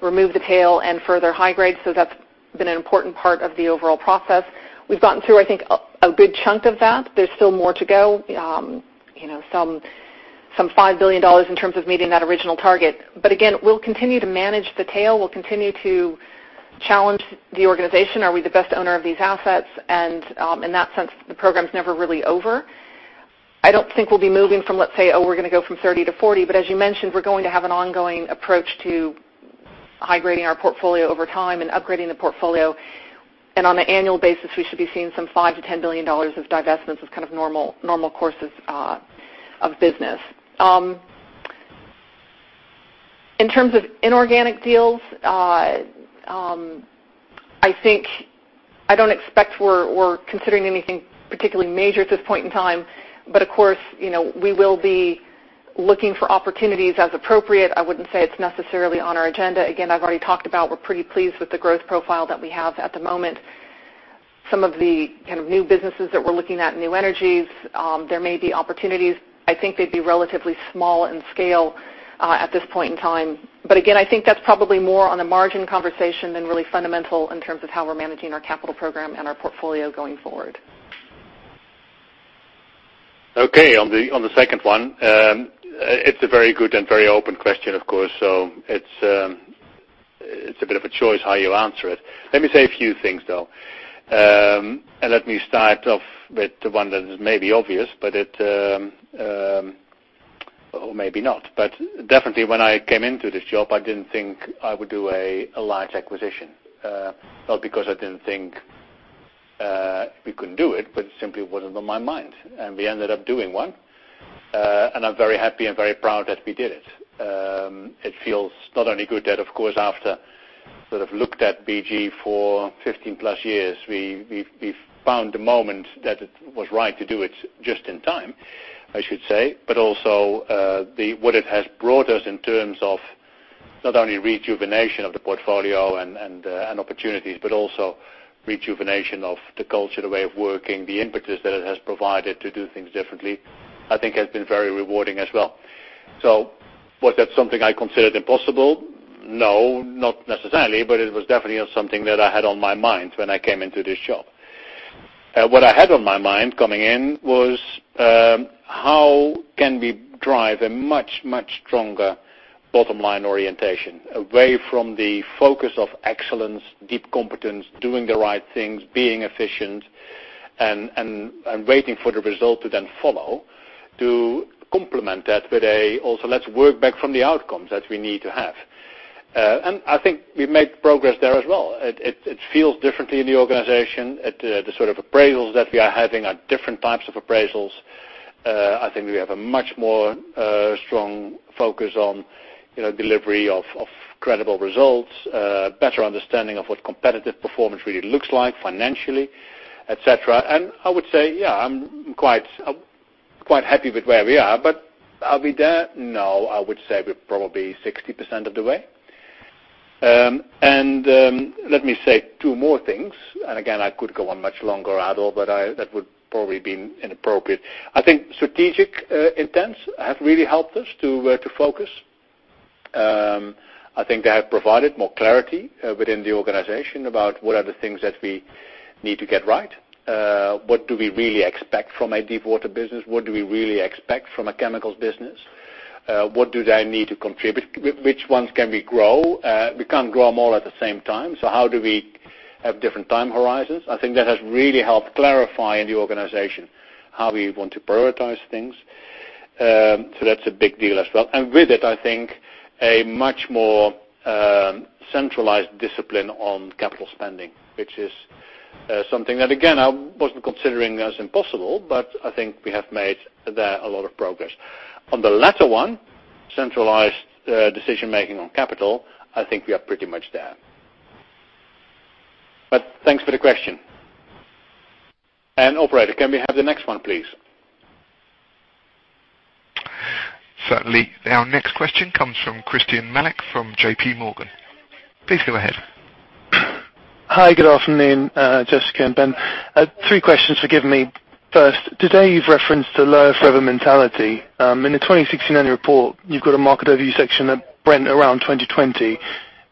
remove the tail and further high-grade. That's been an important part of the overall process. We've gotten through, I think, a good chunk of that. There's still more to go. Some $5 billion in terms of meeting that original target. Again, we'll continue to manage the tail. We'll continue to challenge the organization. Are we the best owner of these assets? In that sense, the program's never really over. I don't think we'll be moving from, let's say, oh, we're going to go from 30 to 40, as you mentioned, we're going to have an ongoing approach to high-grading our portfolio over time and upgrading the portfolio. On an annual basis, we should be seeing some $5 billion-$10 billion of divestments as kind of normal courses of business. In terms of inorganic deals, I don't expect we're considering anything particularly major at this point in time. Of course, we will be looking for opportunities as appropriate. I wouldn't say it's necessarily on our agenda. Again, I've already talked about we're pretty pleased with the growth profile that we have at the moment. Some of the kind of new businesses that we're looking at, new energies, there may be opportunities. I think they'd be relatively small in scale at this point in time. Again, I think that's probably more on a margin conversation than really fundamental in terms of how we're managing our capital program and our portfolio going forward. Okay, on the second one, it's a very good and very open question, of course. It's a bit of a choice how you answer it. Let me say a few things, though. Let me start off with the one that is maybe obvious, or maybe not. Definitely when I came into this job, I didn't think I would do a large acquisition. Not because I didn't think We couldn't do it. It simply wasn't on my mind. We ended up doing one, and I'm very happy and very proud that we did it. It feels not only good that, of course, after sort of looked at BG for 15-plus years, we've found the moment that it was right to do it just in time, I should say, but also what it has brought us in terms of not only rejuvenation of the portfolio and opportunities, but also rejuvenation of the culture, the way of working, the impetus that it has provided to do things differently, I think has been very rewarding as well. Was that something I considered impossible? No, not necessarily, but it was definitely not something that I had on my mind when I came into this job. What I had on my mind coming in was, how can we drive a much, much stronger bottom-line orientation away from the focus of excellence, deep competence, doing the right things, being efficient, and waiting for the result to then follow, to complement that with a also, let's work back from the outcomes that we need to have. I think we've made progress there as well. It feels differently in the organization. The sort of appraisals that we are having are different types of appraisals. I think we have a much more strong focus on delivery of credible results, better understanding of what competitive performance really looks like financially, et cetera. I would say, yeah, I'm quite happy with where we are, but are we there? No, I would say we're probably 60% of the way. Let me say two more things, and again, I could go on much longer, Adolff, but that would probably be inappropriate. I think strategic intents have really helped us to focus. I think they have provided more clarity within the organization about what are the things that we need to get right. What do we really expect from a deep water business? What do we really expect from a chemicals business? What do they need to contribute? Which ones can we grow? We can't grow them all at the same time. How do we have different time horizons? I think that has really helped clarify in the organization how we want to prioritize things. That's a big deal as well. With it, I think a much more centralized discipline on capital spending, which is something that, again, I wasn't considering as impossible, but I think we have made there a lot of progress. On the latter one, centralized decision-making on capital, I think we are pretty much there. Thanks for the question. Operator, can we have the next one, please? Certainly. Our next question comes from Christyan Malek from J.P. Morgan. Please go ahead. Hi, good afternoon, Jessica and Ben. Three questions, forgive me. First, today you've referenced the lower forever mentality. In the 2016 annual report, you've got a market overview section that Brent around 2020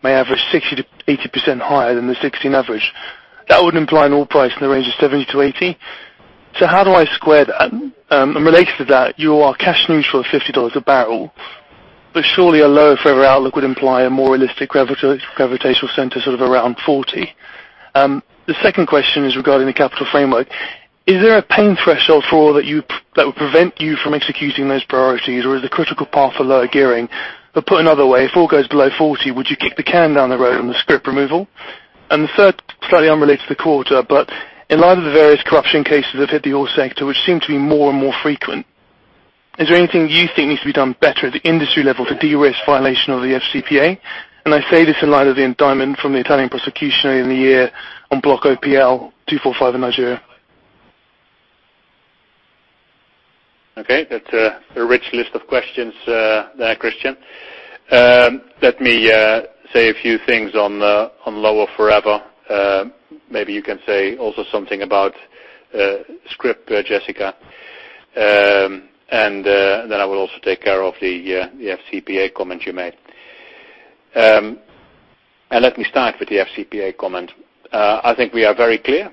may average 60%-80% higher than the 2016 average. That would imply an oil price in the range of $70-$80. How do I square that? Related to that, you are cash neutral at $50 a barrel, surely a lower forever outlook would imply a more realistic gravitational center sort of around $40. The second question is regarding the capital framework. Is there a pain threshold for that would prevent you from executing those priorities, or is the critical path for lower gearing? Put another way, if oil goes below $40, would you kick the can down the road on the scrip removal? The third, slightly unrelated to the quarter, in light of the various corruption cases that hit the oil sector, which seem to be more and more frequent, is there anything you think needs to be done better at the industry level to de-risk violation of the FCPA? I say this in light of the indictment from the Italian prosecution earlier in the year on Block OPL 245 in Nigeria. Okay, that's a rich list of questions there, Christyan. Let me say a few things on lower forever. Maybe you can say also something about scrip, Jessica. Then I will also take care of the FCPA comment you made. Let me start with the FCPA comment. I think we are very clear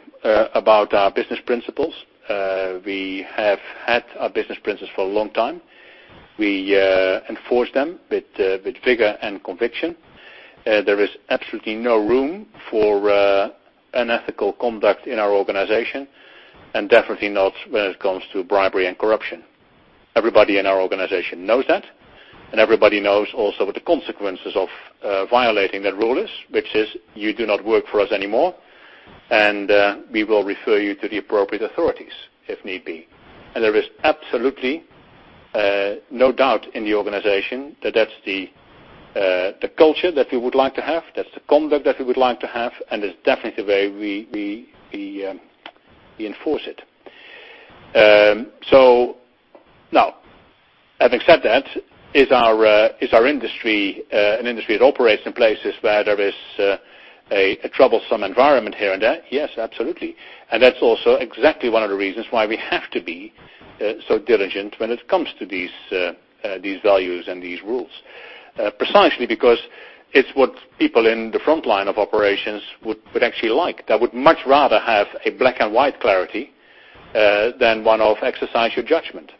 about our business principles. We have had our business principles for a long time. We enforce them with vigor and conviction. There is absolutely no room for unethical conduct in our organization, definitely not when it comes to bribery and corruption. Everybody in our organization knows that, everybody knows also what the consequences of violating that rule is, which is you do not work for us anymore, we will refer you to the appropriate authorities if need be. There is absolutely no doubt in the organization that that's the culture that we would like to have, that's the conduct that we would like to have, it's definitely the way we enforce it. Now, having said that, is our industry an industry that operates in places where there is a troublesome environment here and there? Yes, absolutely. That's also exactly one of the reasons why we have to be so diligent when it comes to these values and these rules. Precisely because it's what people in the frontline of operations would actually like. They would much rather have a black and white clarity than one of exercise your judgment,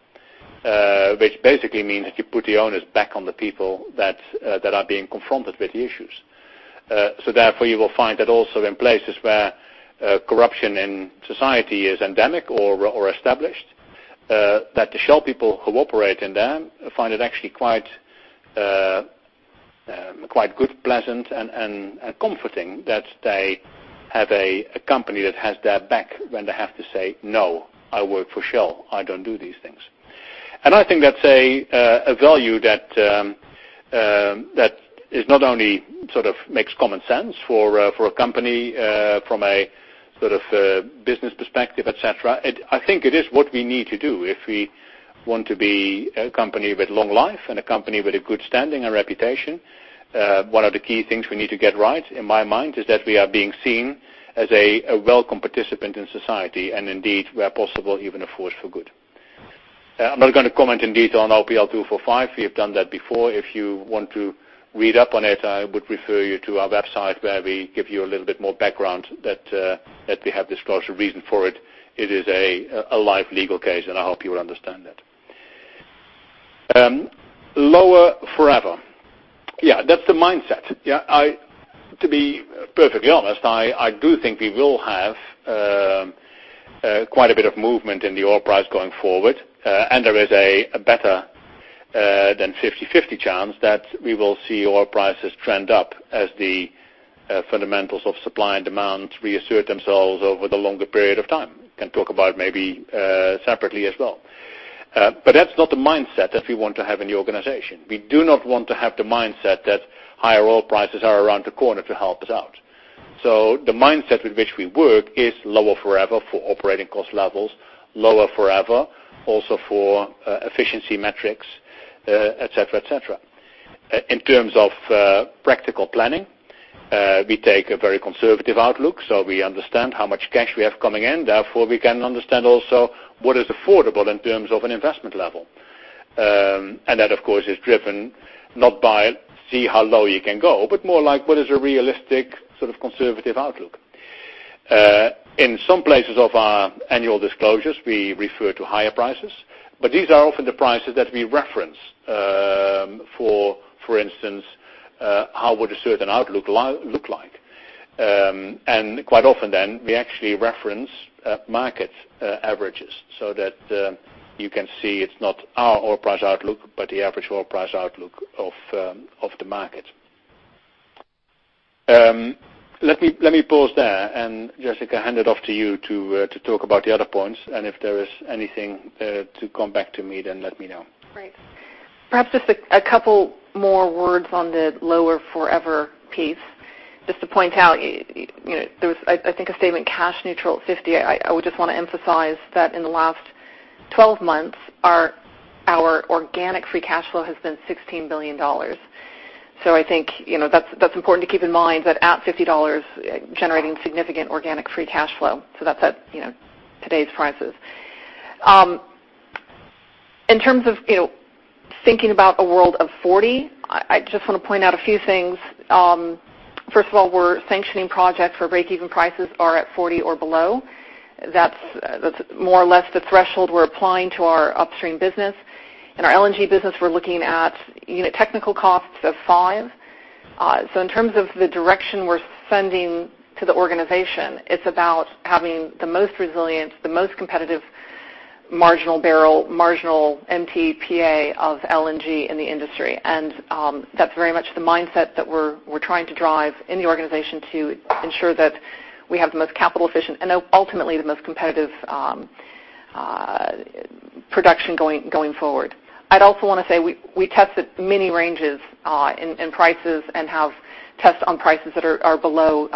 which basically means that you put the onus back on the people that are being confronted with the issues. Therefore, you will find that also in places where corruption in society is endemic or established, that the Shell people who operate in there find it actually quite good, pleasant, and comforting that they have a company that has their back when they have to say, "No, I work for Shell. I don't do these things." I think that's a value that not only makes common sense for a company from a business perspective, et cetera. I think it is what we need to do if we want to be a company with long life and a company with a good standing and reputation. One of the key things we need to get right, in my mind, is that we are being seen as a welcome participant in society, and indeed, where possible, even a force for good. I'm not going to comment indeed on OPL 245. We have done that before. If you want to read up on it, I would refer you to our website where we give you a little bit more background that we have disclosure reason for it. It is a live legal case, and I hope you will understand that. Lower forever. Yeah, that's the mindset. To be perfectly honest, I do think we will have quite a bit of movement in the oil price going forward, there is a better than 50/50 chance that we will see oil prices trend up as the fundamentals of supply and demand reassert themselves over the longer period of time. Can talk about it maybe separately as well. That's not the mindset that we want to have in the organization. We do not want to have the mindset that higher oil prices are around the corner to help us out. The mindset with which we work is lower forever for operating cost levels, lower forever also for efficiency metrics, et cetera. In terms of practical planning, we take a very conservative outlook. We understand how much cash we have coming in, therefore, we can understand also what is affordable in terms of an investment level. That, of course, is driven not by see how low you can go, but more like what is a realistic conservative outlook. In some places of our annual disclosures, we refer to higher prices, these are often the prices that we reference, for instance, how would a certain outlook look like. Quite often then, we actually reference market averages so that you can see it's not our oil price outlook, but the average oil price outlook of the market. Let me pause there, Jessica, hand it off to you to talk about the other points. If there is anything to come back to me, let me know. Great. Perhaps just a couple more words on the lower forever piece. Just to point out, there was a statement, cash neutral at $50. I would just want to emphasize that in the last 12 months, our organic free cash flow has been $16 billion. I think that's important to keep in mind that at $50, generating significant organic free cash flow. That's at today's prices. In terms of thinking about a world of $40, I just want to point out a few things. First of all, we're sanctioning projects for breakeven prices are at $40 or below. That's more or less the threshold we're applying to our upstream business. In our LNG business, we're looking at unit technical costs of $5. In terms of the direction we're sending to the organization, it's about having the most resilient, the most competitive marginal barrel, marginal MTPA of LNG in the industry. That's very much the mindset that we're trying to drive in the organization to ensure that we have the most capital efficient and ultimately the most competitive production going forward. I'd also want to say we tested many ranges in prices and have tests on prices that are below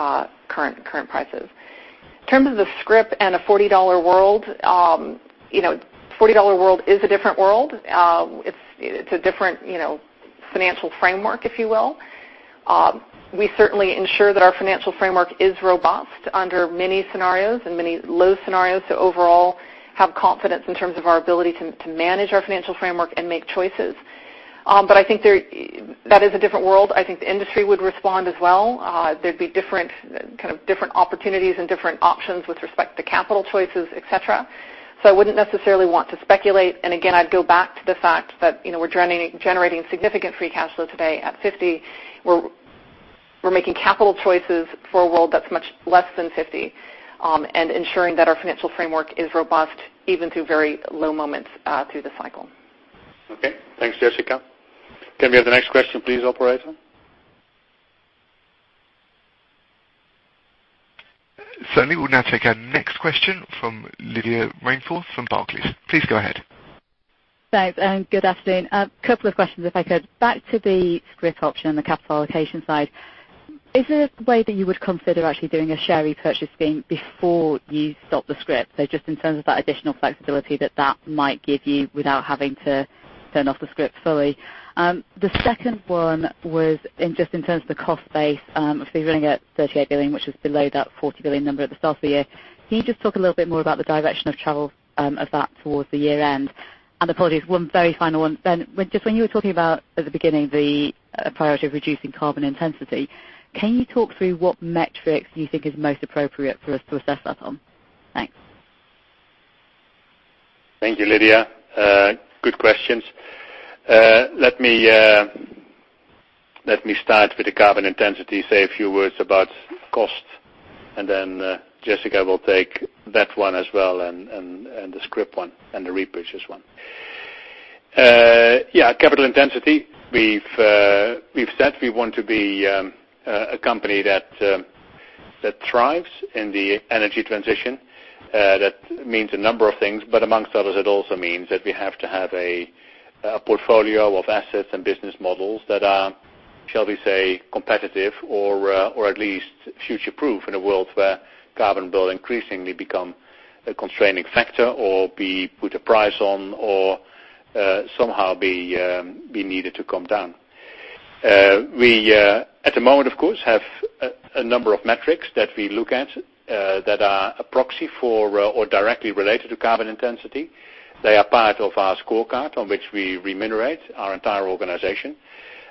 current prices. In terms of the scrip and a $40 world, $40 world is a different world. It's a different financial framework, if you will. We certainly ensure that our financial framework is robust under many scenarios and many low scenarios, so overall, we have confidence in terms of our ability to manage our financial framework and make choices. I think that is a different world. I think the industry would respond as well. There'd be different opportunities and different options with respect to capital choices, et cetera. I wouldn't necessarily want to speculate. Again, I'd go back to the fact that we're generating significant free cash flow today at $50. We're making capital choices for a world that's much less than $50, and ensuring that our financial framework is robust even through very low moments through the cycle. Okay. Thanks, Jessica. Can we have the next question, please, operator? Certainly. We'll now take our next question from Lydia Rainforth from Barclays. Please go ahead. Thanks, and good afternoon. A couple of questions, if I could. Back to the scrip option and the capital allocation side, is there a way that you would consider actually doing a share repurchase scheme before you stop the scrip? Just in terms of that additional flexibility that that might give you without having to turn off the scrip fully. The second one was just in terms of the cost base. Obviously, running at $38 billion, which was below that $40 billion number at the start of the year. Can you just talk a little bit more about the direction of travel of that towards the year end? Apologies, one very final one. Ben, just when you were talking about, at the beginning, the priority of reducing carbon intensity, can you talk through what metrics you think is most appropriate for us to assess that on? Thanks. Thank you, Lydia. Good questions. Let me start with the carbon intensity, say a few words about cost. Jessica will take that one as well, and the scrip one and the repurchase one. Capital intensity, we've said we want to be a company that thrives in the energy transition. That means a number of things, but amongst others, it also means that we have to have a portfolio of assets and business models that are, shall we say, competitive or at least future proof in a world where carbon will increasingly become a constraining factor or we put a price on or somehow be needed to come down. We, at the moment, of course, have a number of metrics that we look at that are a proxy for or directly related to carbon intensity. They are part of our scorecard on which we remunerate our entire organization,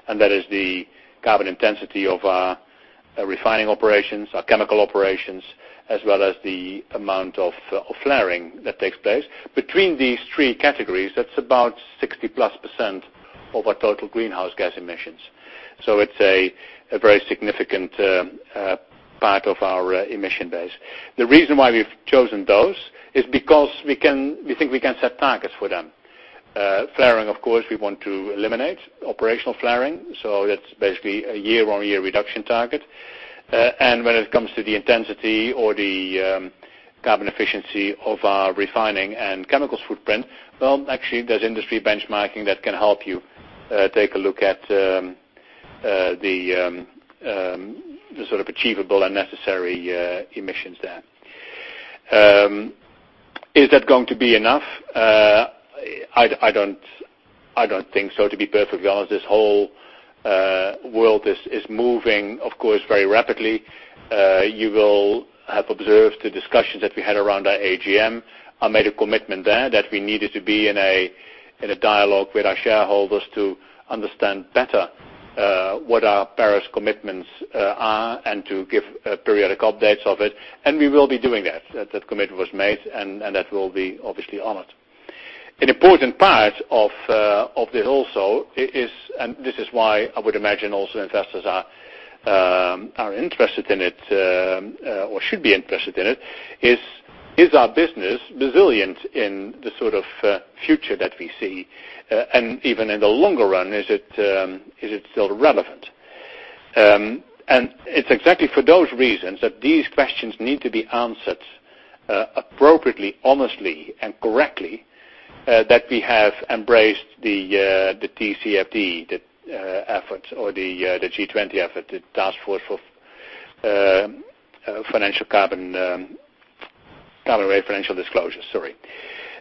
that is the carbon intensity of our refining operations, our chemical operations, as well as the amount of flaring that takes place. Between these three categories, that's about 60-plus% of our total greenhouse gas emissions. It's a very significant part of our emission base. The reason why we've chosen those is because we think we can set targets for them. Flaring, of course, we want to eliminate operational flaring, so that's basically a year-on-year reduction target. When it comes to the intensity or the carbon efficiency of our refining and chemicals footprint, well, actually, there's industry benchmarking that can help you take a look at the achievable and necessary emissions there. Is that going to be enough? I don't think so, to be perfectly honest. This whole world is moving, of course, very rapidly. You will have observed the discussions that we had around our AGM. I made a commitment there that we needed to be in a dialogue with our shareholders to understand better what our Paris commitments are to give periodic updates of it, we will be doing that. That commitment was made, that will be obviously honored. An important part of this also is, this is why I would imagine also investors are interested in it, or should be interested in it, is our business resilient in the sort of future that we see? Even in the longer run, is it still relevant? It's exactly for those reasons that these questions need to be answered appropriately, honestly, and correctly, that we have embraced the TCFD, the efforts or the G20 effort, the task force of financial carbon array financial disclosure, sorry.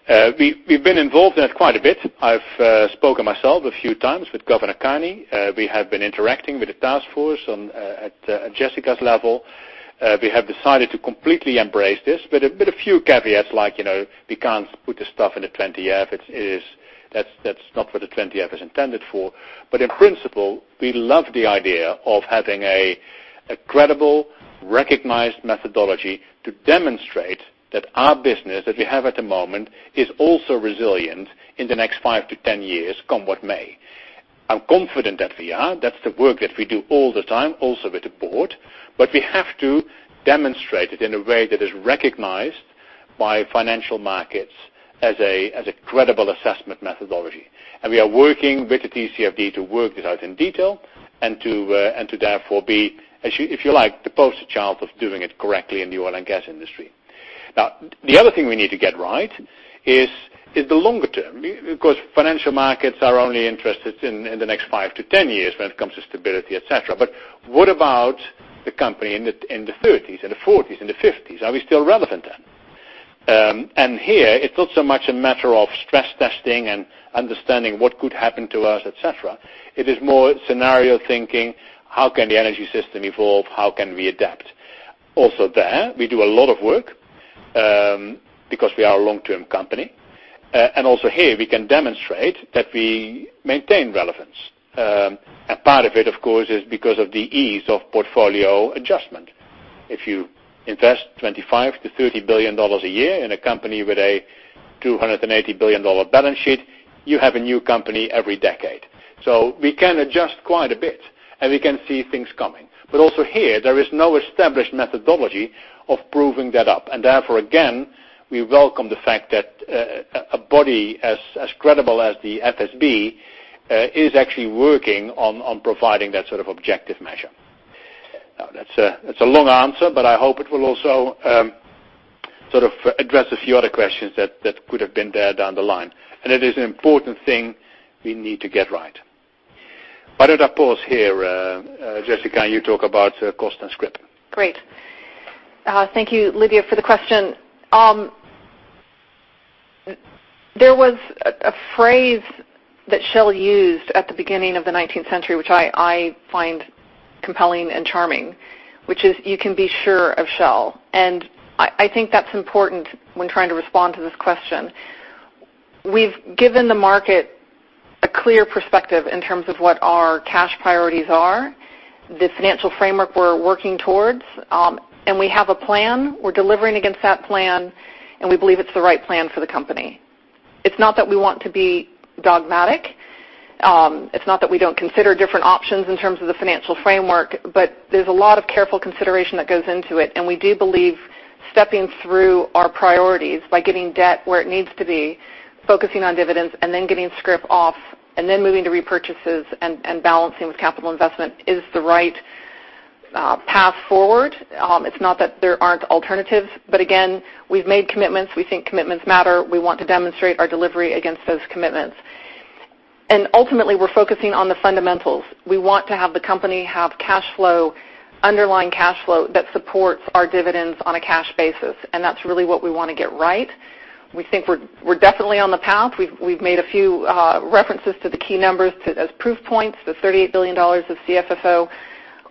We've been involved in it quite a bit. I've spoken myself a few times with Governor Carney. We have been interacting with the task force at Jessica's level. We have decided to completely embrace this, but a few caveats like, we can't put this stuff in the 20-F. That's not what the 20-F is intended for. In principle, we love the idea of having a credible, recognized methodology to demonstrate that our business that we have at the moment is also resilient in the next 5 to 10 years, come what may. I'm confident that we are. That's the work that we do all the time, also with the board. We have to demonstrate it in a way that is recognized by financial markets as a credible assessment methodology. We are working with the TCFD to work this out in detail and to therefore be, if you like, the poster child of doing it correctly in the oil and gas industry. Now, the other thing we need to get right is the longer term, because financial markets are only interested in the next 5 to 10 years when it comes to stability, et cetera. What about the company in the 30s, in the 40s, in the 50s? Are we still relevant then? Here, it's not so much a matter of stress testing and understanding what could happen to us, et cetera. It is more scenario thinking, how can the energy system evolve? How can we adapt? Also there, we do a lot of work, because we are a long-term company. Also here, we can demonstrate that we maintain relevance. A part of it, of course, is because of the ease of portfolio adjustment. If you invest $25 billion to $30 billion a year in a company with a $280 billion balance sheet, you have a new company every decade. We can adjust quite a bit, and we can see things coming. Also here, there is no established methodology of proving that up. Therefore, again, we welcome the fact that a body as credible as the FSB is actually working on providing that sort of objective measure. That's a long answer, but I hope it will also address a few other questions that could have been there down the line. It is an important thing we need to get right. Why don't I pause here, Jessica, and you talk about cost and scrip? Great. Thank you, Lydia, for the question. There was a phrase that Shell used at the beginning of the 19th century, which I find compelling and charming, which is, you can be sure of Shell. I think that's important when trying to respond to this question. We've given the market a clear perspective in terms of what our cash priorities are, the financial framework we're working towards, and we have a plan. We're delivering against that plan, and we believe it's the right plan for the company. It's not that we want to be dogmatic. It's not that we don't consider different options in terms of the financial framework, but there's a lot of careful consideration that goes into it, and we do believe stepping through our priorities by getting debt where it needs to be, focusing on dividends, and then getting scrip off, and then moving to repurchases and balancing with capital investment is the right path forward. It's not that there aren't alternatives, but again, we've made commitments. We think commitments matter. We want to demonstrate our delivery against those commitments. Ultimately, we're focusing on the fundamentals. We want to have the company have cash flow, underlying cash flow, that supports our dividends on a cash basis, and that's really what we want to get right. We think we're definitely on the path. We've made a few references to the key numbers as proof points. The $38 billion of CFFO,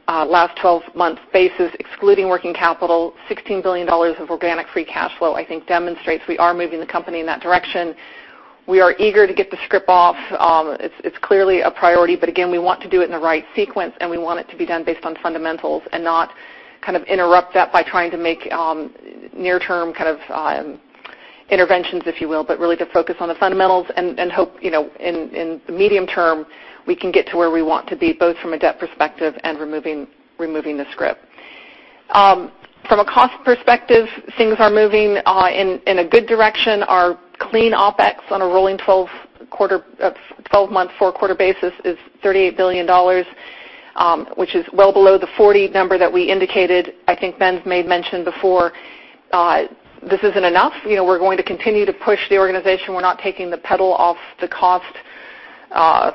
last 12-month basis, excluding working capital, $16 billion of organic free cash flow, I think demonstrates we are moving the company in that direction. We are eager to get the scrip off. It is clearly a priority, but again, we want to do it in the right sequence, and we want it to be done based on fundamentals and not interrupt that by trying to make near-term interventions, if you will, but really to focus on the fundamentals and hope, in the medium term, we can get to where we want to be, both from a debt perspective and removing the scrip. From a cost perspective, things are moving in a good direction. Our clean OpEx on a rolling 12-month, four-quarter basis is $38 billion, which is well below the 40 number that we indicated. I think Ben's made mention before. This isn't enough. We are going to continue to push the organization. We are not taking the pedal off the cost. Foot pedal, I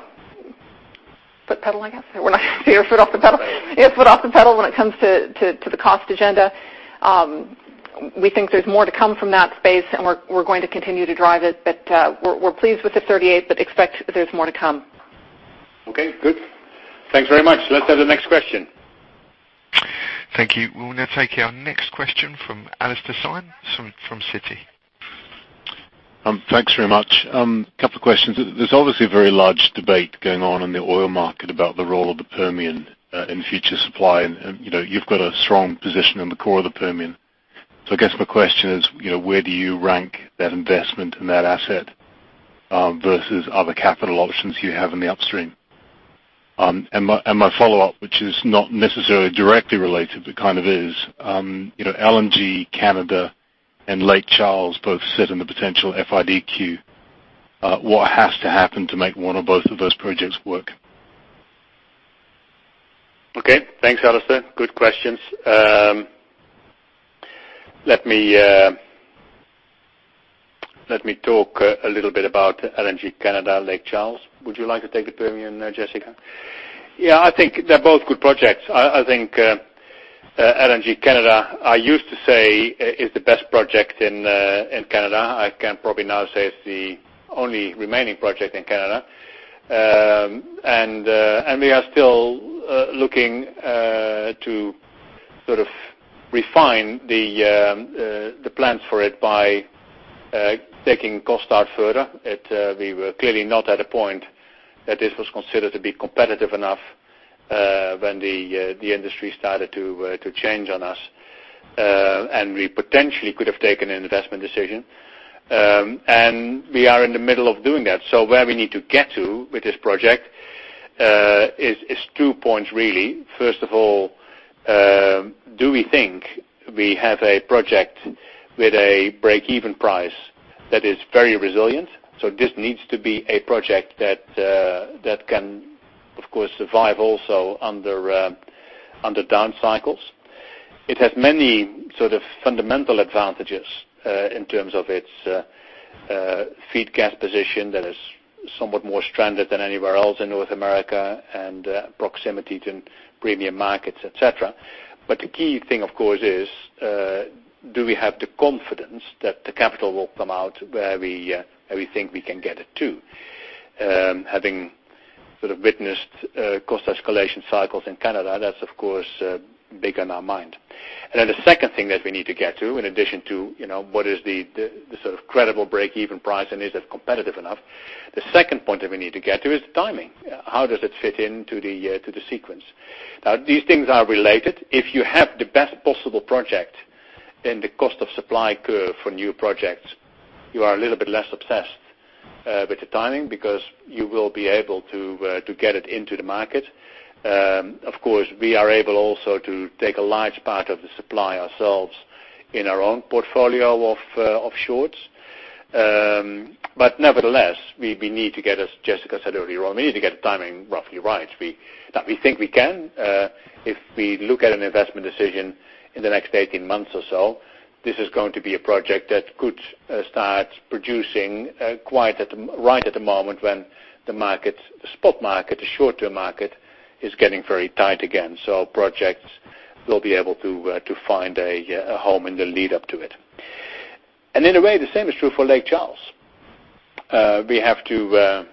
guess. We are not taking our foot off the pedal when it comes to the cost agenda. We think there is more to come from that space, and we are going to continue to drive it. We are pleased with the $38, but expect there is more to come. Okay, good. Thanks very much. Let's have the next question. Thank you. We will now take our next question from Alastair Syme from Citi. Thanks very much. Couple of questions. There's obviously a very large debate going on in the oil market about the role of the Permian in future supply, and you've got a strong position in the core of the Permian. I guess my question is, where do you rank that investment and that asset versus other capital options you have in the upstream? My follow-up, which is not necessarily directly related, but kind of is, LNG Canada and Lake Charles both sit in the potential FID queue. What has to happen to make one or both of those projects work? Okay, thanks, Alastair. Good questions. Let me talk a little bit about LNG Canada and Lake Charles. Would you like to take the Permian, Jessica? Yeah, I think they're both good projects. I think LNG Canada, I used to say, is the best project in Canada. I can probably now say it's the only remaining project in Canada. We are still looking to refine the plans for it by taking cost out further. We were clearly not at a point that this was considered to be competitive enough when the industry started to change on us, and we potentially could have taken an investment decision. We are in the middle of doing that. Where we need to get to with this project is two points, really. First of all, do we think we have a project with a break-even price that is very resilient? This needs to be a project that can, of course, survive also under down cycles. It has many fundamental advantages in terms of its feed gas position that is somewhat more stranded than anywhere else in North America, and proximity to premium markets, et cetera. The key thing, of course, is, do we have the confidence that the capital will come out where we think we can get it to? Having witnessed cost escalation cycles in Canada, that's, of course, big on our mind. The second thing that we need to get to, in addition to what is the credible break-even price and is it competitive enough, the second point that we need to get to is timing. How does it fit into the sequence? These things are related. If you have the best possible project in the cost of supply curve for new projects, you are a little bit less obsessed with the timing because you will be able to get it into the market. Of course, we are able also to take a large part of the supply ourselves in our own portfolio of shorts. Nevertheless, as Jessica said earlier on, we need to get the timing roughly right. We think we can. If we look at an investment decision in the next 18 months or so, this is going to be a project that could start producing right at the moment when the spot market, the short-term market, is getting very tight again. Our projects will be able to find a home in the lead up to it. In a way, the same is true for Lake Charles. We have to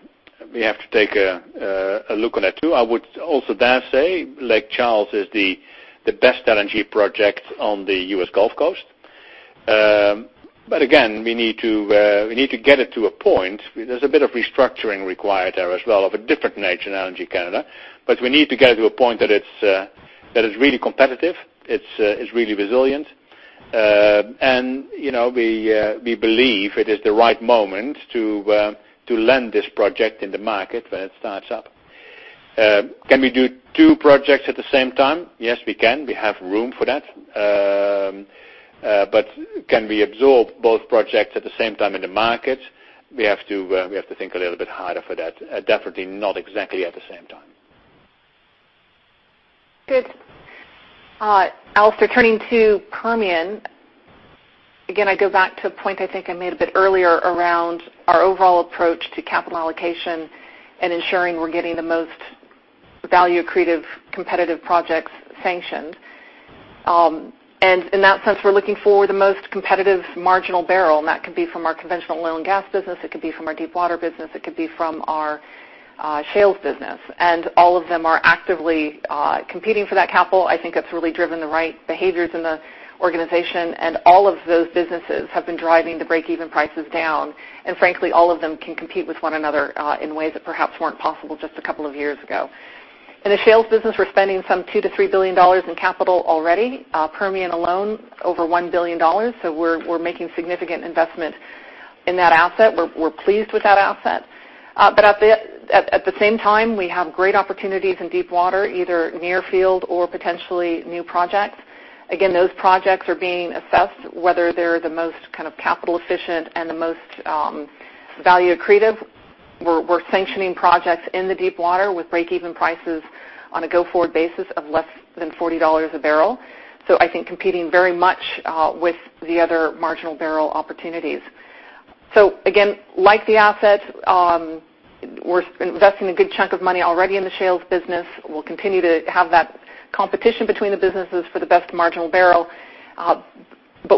take a look on that, too. I would also dare say Lake Charles is the best LNG project on the U.S. Gulf Coast. Again, we need to get it to a point. There's a bit of restructuring required there as well of a different nature than LNG Canada. We need to get it to a point that it's really competitive, it's really resilient. We believe it is the right moment to land this project in the market when it starts up. Can we do two projects at the same time? Yes, we can. We have room for that. Can we absorb both projects at the same time in the market? We have to think a little bit harder for that. Definitely not exactly at the same time. Good. Alastair, turning to Permian, again, I go back to a point I think I made a bit earlier around our overall approach to capital allocation and ensuring we're getting the most value-accretive competitive projects sanctioned. In that sense, we're looking for the most competitive marginal barrel, and that could be from our conventional oil and gas business, it could be from our deepwater business, it could be from our shales business. All of them are actively competing for that capital. I think it's really driven the right behaviors in the organization, and all of those businesses have been driving the breakeven prices down. Frankly, all of them can compete with one another in ways that perhaps weren't possible just a couple of years ago. In the shales business, we're spending some $2 billion-$3 billion in capital already. Permian alone, over $1 billion. We're making significant investment in that asset. We're pleased with that asset. At the same time, we have great opportunities in deepwater, either near field or potentially new projects. Again, those projects are being assessed, whether they're the most capital efficient and the most value accretive. We're sanctioning projects in the deepwater with breakeven prices on a go-forward basis of less than $40 a barrel. I think competing very much with the other marginal barrel opportunities. Again, like the asset, we're investing a good chunk of money already in the shales business. We'll continue to have that competition between the businesses for the best marginal barrel.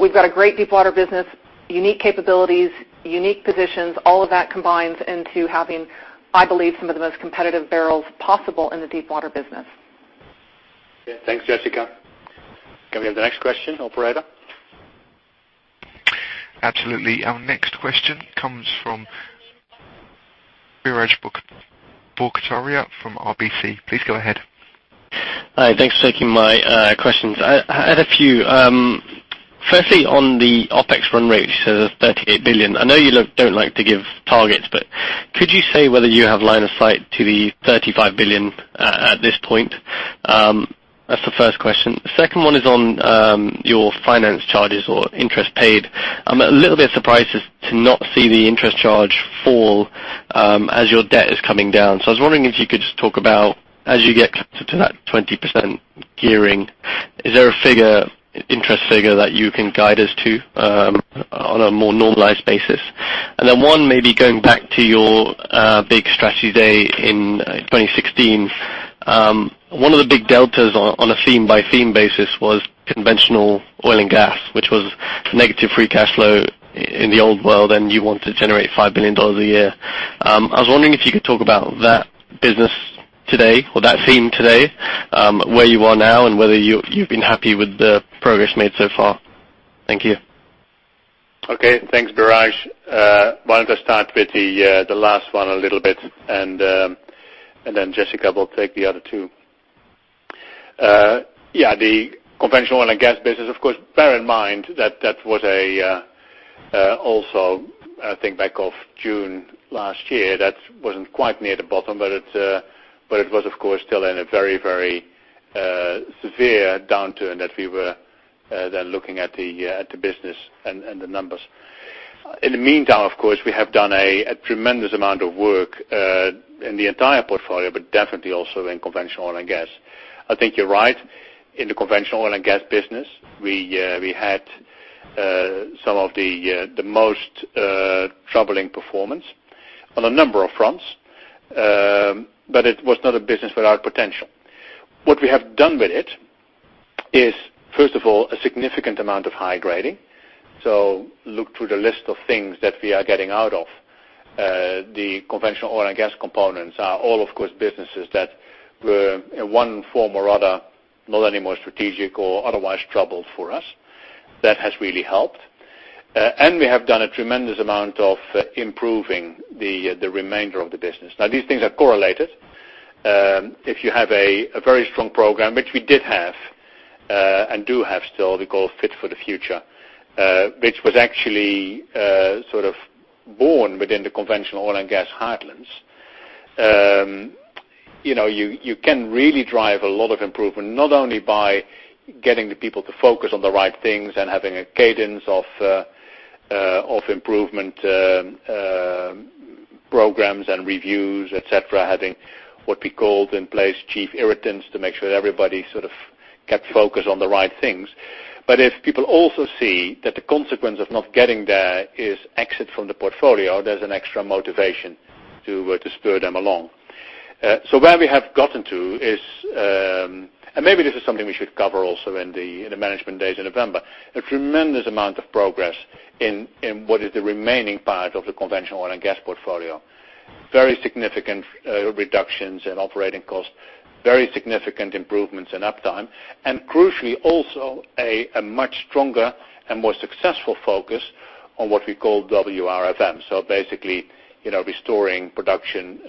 We've got a great deepwater business, unique capabilities, unique positions. All of that combines into having, I believe, some of the most competitive barrels possible in the deepwater business. Yeah. Thanks, Jessica. Can we have the next question, operator? Absolutely. Our next question comes from Biraj Borkhataria from RBC. Please go ahead. Hi, thanks for taking my questions. I had a few. Firstly, on the OpEx run rate, so the $38 billion. I know you don't like to give targets, but could you say whether you have line of sight to the $35 billion at this point? That's the first question. Second one is on your finance charges or interest paid. I'm a little bit surprised to not see the interest charge fall as your debt is coming down. I was wondering if you could just talk about, as you get closer to that 20% gearing, is there a figure, interest figure, that you can guide us to on a more normalized basis? One maybe going back to your big strategy day in 2016. One of the big deltas on a theme-by-theme basis was conventional oil and gas, which was negative free cash flow in the old world, you want to generate $5 billion a year. I was wondering if you could talk about that business today or that theme today, where you are now, and whether you've been happy with the progress made so far. Thank you. Okay, thanks, Biraj. Why don't I start with the last one a little bit, then Jessica will take the other two. Yeah, the conventional oil and gas business, of course, bear in mind that was also, I think back of June last year, that wasn't quite near the bottom, but it was, of course, still in a very, very severe downturn that we were then looking at the business and the numbers. In the meantime, of course, we have done a tremendous amount of work in the entire portfolio, but definitely also in conventional oil and gas. I think you're right. In the conventional oil and gas business, we had some of the most troubling performance on a number of fronts, but it was not a business without potential. What we have done with it is, first of all, a significant amount of high grading. Look through the list of things that we are getting out of. The conventional oil and gas components are all, of course, businesses that were in one form or other, not anymore strategic or otherwise trouble for us. That has really helped. We have done a tremendous amount of improving the remainder of the business. These things are correlated. If you have a very strong program, which we did have, and do have still, we call Fit for the Future, which was actually sort of born within the conventional oil and gas heartlands. You can really drive a lot of improvement, not only by getting the people to focus on the right things and having a cadence of improvement programs and reviews, et cetera, having what we called in place chief irritants to make sure that everybody sort of kept focused on the right things. If people also see that the consequence of not getting there is exit from the portfolio, there's an extra motivation to spur them along. Where we have gotten to is, and maybe this is something we should cover also in the Management Days in November, a tremendous amount of progress in what is the remaining part of the conventional oil and gas portfolio. Very significant reductions in operating costs, very significant improvements in uptime, and crucially, also a much stronger and more successful focus on what we call WRFM. Basically, restoring production,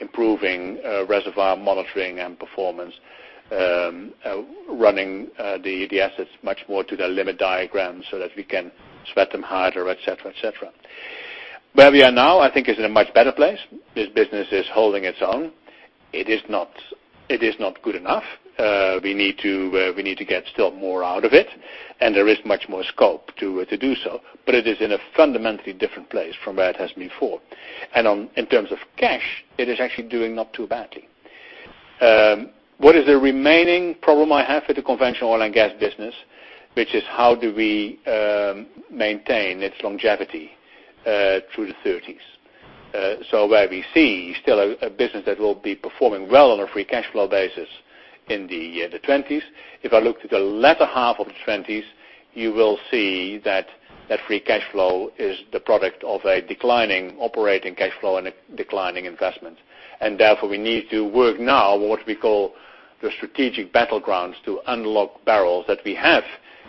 improving reservoir monitoring and performance, running the assets much more to their limit diagrams so that we can sweat them harder, et cetera. Where we are now, I think is in a much better place. This business is holding its own. It is not good enough. We need to get still more out of it, and there is much more scope to do so, but it is in a fundamentally different place from where it has been before. In terms of cash, it is actually doing not too badly. What is the remaining problem I have with the conventional oil and gas business, which is how do we maintain its longevity through the 2030s? Where we see still a business that will be performing well on a free cash flow basis in the 2020s. If I look to the latter half of the 2020s, you will see that that free cash flow is the product of a declining operating cash flow and a declining investment. We need to work now on what we call the strategic battlegrounds to unlock barrels that we have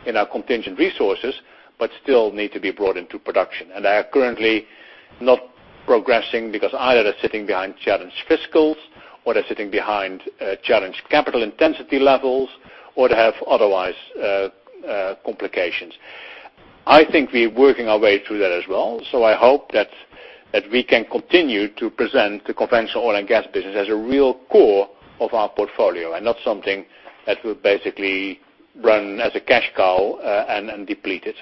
in our contingent resources, but still need to be brought into production. They are currently not progressing because either they're sitting behind challenged fiscals, or they're sitting behind challenged capital intensity levels, or they have otherwise complications. I think we're working our way through that as well, so I hope that we can continue to present the conventional oil and gas business as a real core of our portfolio and not something that will basically run as a cash cow and deplete it.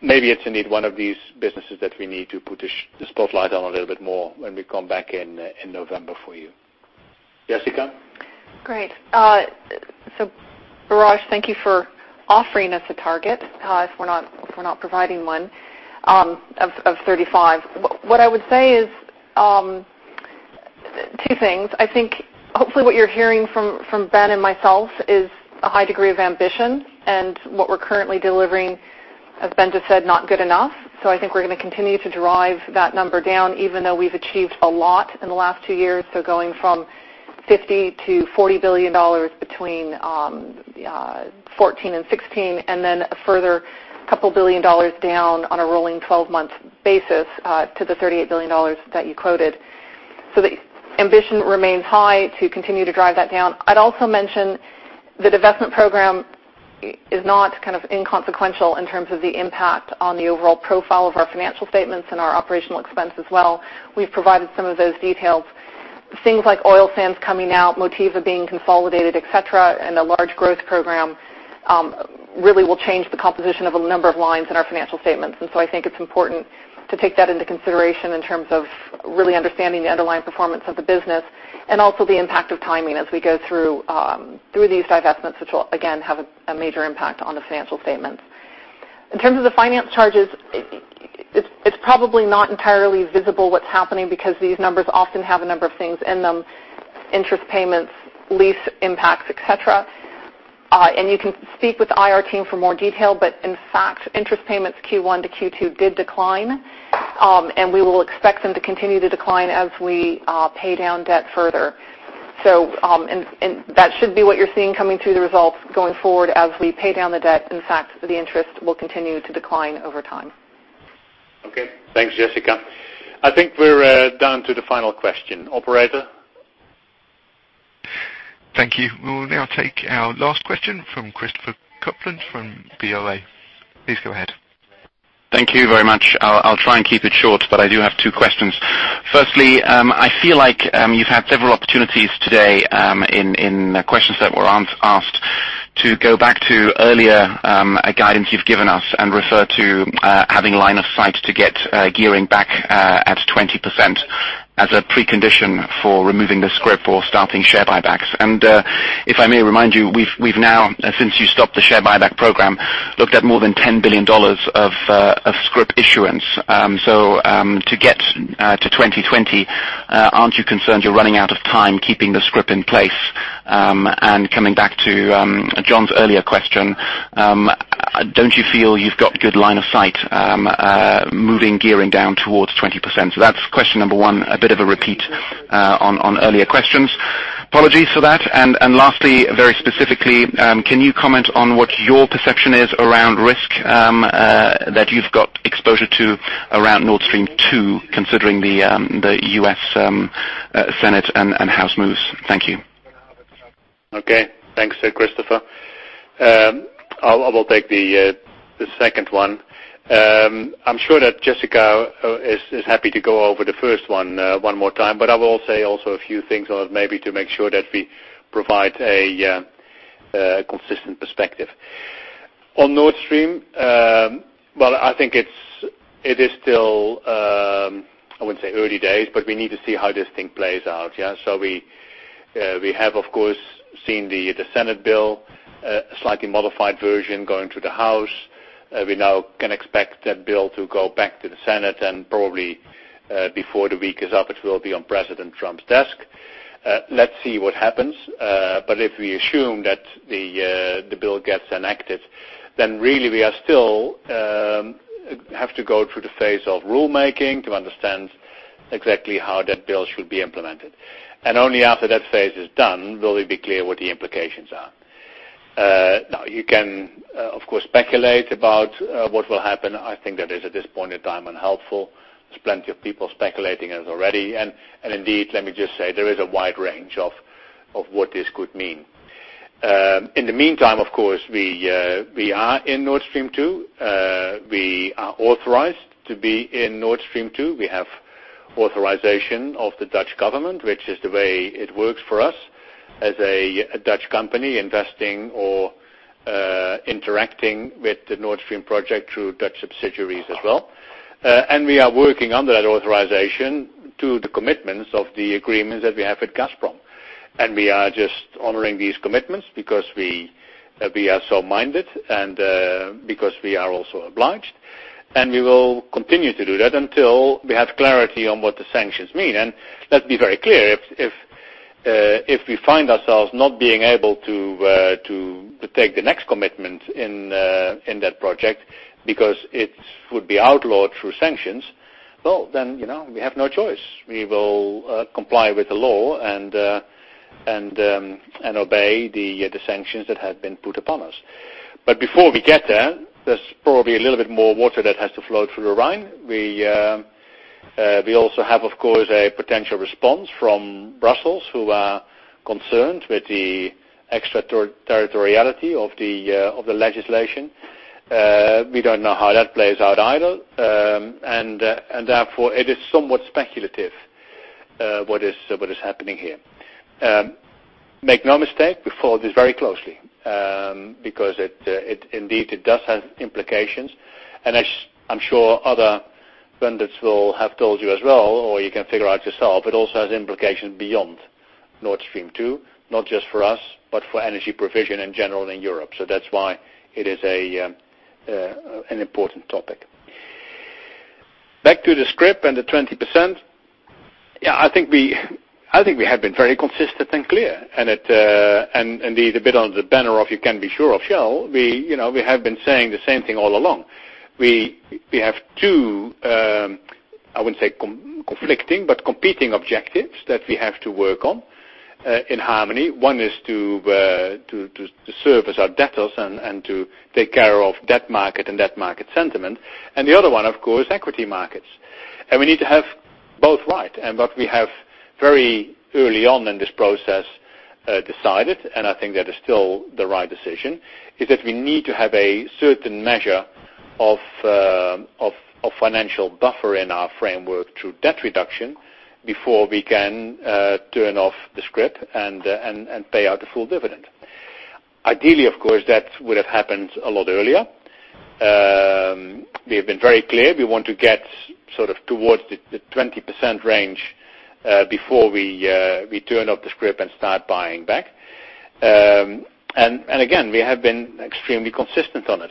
Maybe it's indeed one of these businesses that we need to put the spotlight on a little bit more when we come back in November for you. Jessica? Great. Biraj, thank you for offering us a target if we're not providing one, of $35. What I would say is two things. I think hopefully what you're hearing from Ben and myself is a high degree of ambition, and what we're currently delivering, as Ben just said, not good enough. I think we're going to continue to drive that number down, even though we've achieved a lot in the last two years. Going from $50 billion to $40 billion between 2014 and 2016, and then a further $2 billion down on a rolling 12-month basis to the $38 billion that you quoted. The ambition remains high to continue to drive that down. I'd also mention the divestment program is not inconsequential in terms of the impact on the overall profile of our financial statements and our OpEx as well. We've provided some of those details. Things like oil sands coming out, Motiva being consolidated, et cetera, and a large growth program really will change the composition of a number of lines in our financial statements. I think it's important to take that into consideration in terms of really understanding the underlying performance of the business and also the impact of timing as we go through these divestments, which will, again, have a major impact on the financial statements. In terms of the finance charges, it's probably not entirely visible what's happening, because these numbers often have a number of things in them, interest payments, lease impacts, et cetera. You can speak with the IR team for more detail, but in fact, interest payments Q1 to Q2 did decline. We will expect them to continue to decline as we pay down debt further. That should be what you're seeing coming through the results going forward as we pay down the debt. In fact, the interest will continue to decline over time. Okay. Thanks, Jessica. I think we're down to the final question. Operator? Thank you. We will now take our last question from Christopher Kuplent from Bank of America. Please go ahead. Thank you very much. I'll try and keep it short, but I do have two questions. Firstly, I feel like you've had several opportunities today, in the questions that were asked, to go back to earlier guidance you've given us and refer to having line of sight to get gearing back at 20% as a precondition for removing the scrip or starting share buybacks. If I may remind you, we've now, since you stopped the share buyback program, looked at more than $10 billion of scrip issuance. To get to 2020, aren't you concerned you're running out of time keeping the scrip in place? Coming back to Jon's earlier question, don't you feel you've got good line of sight moving gearing down towards 20%? That's question number 1, a bit of a repeat on earlier questions. Apologies for that. Lastly, very specifically, can you comment on what your perception is around risk that you've got exposure to around Nord Stream 2, considering the U.S. Senate and House moves? Thank you. Okay. Thanks, Christopher. I will take the second one. I'm sure that Jessica is happy to go over the first one one more time, but I will say also a few things on it maybe to make sure that we provide a consistent perspective. On Nord Stream, well, I think it is still, I wouldn't say early days, but we need to see how this thing plays out, yeah? We have, of course, seen the Senate bill, a slightly modified version going through the House. We now can expect that bill to go back to the Senate, probably before the week is up, it will be on President Trump's desk. Let's see what happens. If we assume that the bill gets enacted, really we are still have to go through the phase of rulemaking to understand exactly how that bill should be implemented. Only after that phase is done will it be clear what the implications are. You can, of course, speculate about what will happen. I think that is, at this point in time, unhelpful. There's plenty of people speculating it already. Let me just say, there is a wide range of what this could mean. In the meantime, of course, we are in Nord Stream 2. We are authorized to be in Nord Stream 2. We have authorization of the Dutch government, which is the way it works for us as a Dutch company investing or interacting with the Nord Stream project through Dutch subsidiaries as well. We are working under that authorization to the commitments of the agreements that we have with Gazprom. We are just honoring these commitments because we are so minded and because we are also obliged, and we will continue to do that until we have clarity on what the sanctions mean. Let's be very clear, if we find ourselves not being able to take the next commitment in that project because it would be outlawed through sanctions, well, we have no choice. We will comply with the law and obey the sanctions that have been put upon us. Before we get there's probably a little bit more water that has to flow through the Rhine. We also have, of course, a potential response from Brussels, who are concerned with the extraterritoriality of the legislation. We don't know how that plays out either. Therefore, it is somewhat speculative what is happening here. Make no mistake, we follow this very closely because indeed, it does have implications, and as I'm sure other vendors will have told you as well, or you can figure out yourself, it also has implications beyond Nord Stream 2, not just for us, but for energy provision in general in Europe. That's why it is an important topic. Back to the scrip and the 20%. Yeah, I think we have been very consistent and clear, a bit on the banner of You Can Be Sure of Shell, we have been saying the same thing all along. We have two, I wouldn't say conflicting, but competing objectives that we have to work on in harmony. One is to serve as our debtors and to take care of debt market and debt market sentiment. The other one, of course, equity markets. We need to have both right. What we have very early on in this process decided, and I think that is still the right decision, is that we need to have a certain measure of financial buffer in our framework through debt reduction before we can turn off the scrip and pay out the full dividend. Ideally, of course, that would have happened a lot earlier. We have been very clear we want to get sort of towards the 20% range before we turn off the scrip and start buying back. Again, we have been extremely consistent on it.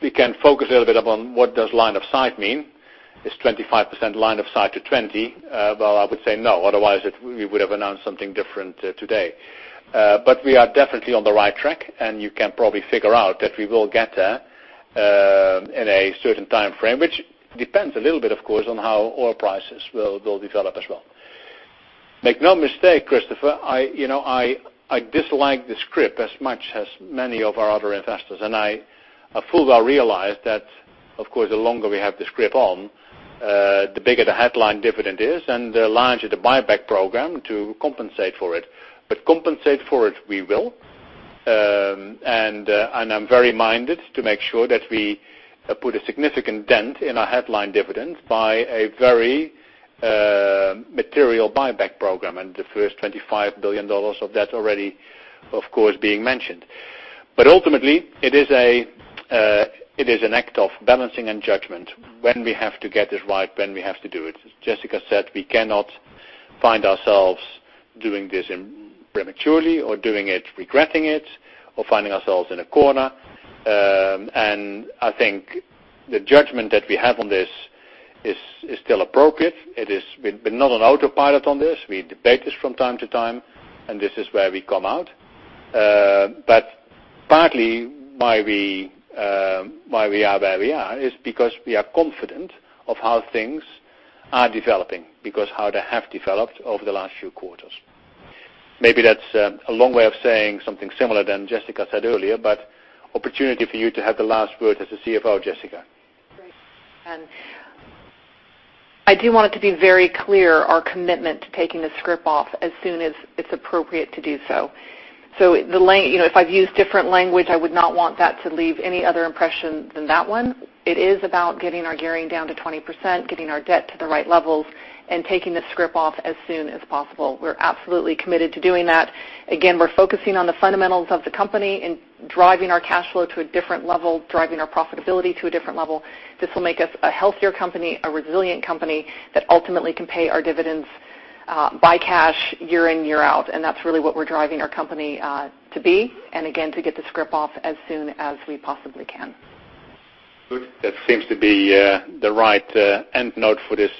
You can focus a little bit upon what does line of sight mean. Is 25% line of sight to 20? Well, I would say no. Otherwise, we would have announced something different today. We are definitely on the right track, and you can probably figure out that we will get there in a certain time frame, which depends a little bit, of course, on how oil prices will develop as well. Make no mistake, Christopher, I dislike the scrip as much as many of our other investors, and I full well realize that, of course, the longer we have the scrip on, the bigger the headline dividend is and the larger the buyback program to compensate for it. But compensate for it we will, and I'm very minded to make sure that we put a significant dent in our headline dividend by a very material buyback program. And the first $25 billion of that already, of course, being mentioned. Ultimately, it is an act of balancing and judgment when we have to get this right, when we have to do it. As Jessica said, we cannot find ourselves doing this prematurely or doing it regretting it or finding ourselves in a corner. I think the judgment that we have on this is still appropriate. We're not on autopilot on this. We debate this from time to time, and this is where we come out. Partly why we are where we are is because we are confident of how things are developing because how they have developed over the last few quarters. Maybe that's a long way of saying something similar than Jessica said earlier, but opportunity for you to have the last word as the CFO, Jessica. Great. I do want it to be very clear our commitment to taking the scrip off as soon as it's appropriate to do so. If I've used different language, I would not want that to leave any other impression than that one. It is about getting our gearing down to 20%, getting our debt to the right levels, and taking the scrip off as soon as possible. We're absolutely committed to doing that. Again, we're focusing on the fundamentals of the company and driving our cash flow to a different level, driving our profitability to a different level. This will make us a healthier company, a resilient company that ultimately can pay our dividends by cash year in, year out. That's really what we're driving our company to be, and again, to get the scrip off as soon as we possibly can. Good. That seems to be the right endnote for this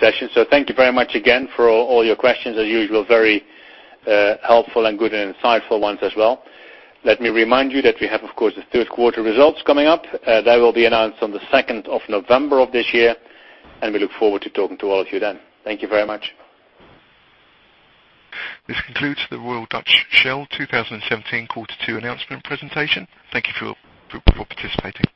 session. Thank you very much again for all your questions. As usual, very helpful and good and insightful ones as well. Let me remind you that we have, of course, the third quarter results coming up. That will be announced on the 2nd of November of this year, and we look forward to talking to all of you then. Thank you very much. This concludes the Royal Dutch Shell 2017 quarter two announcement presentation. Thank you for participating.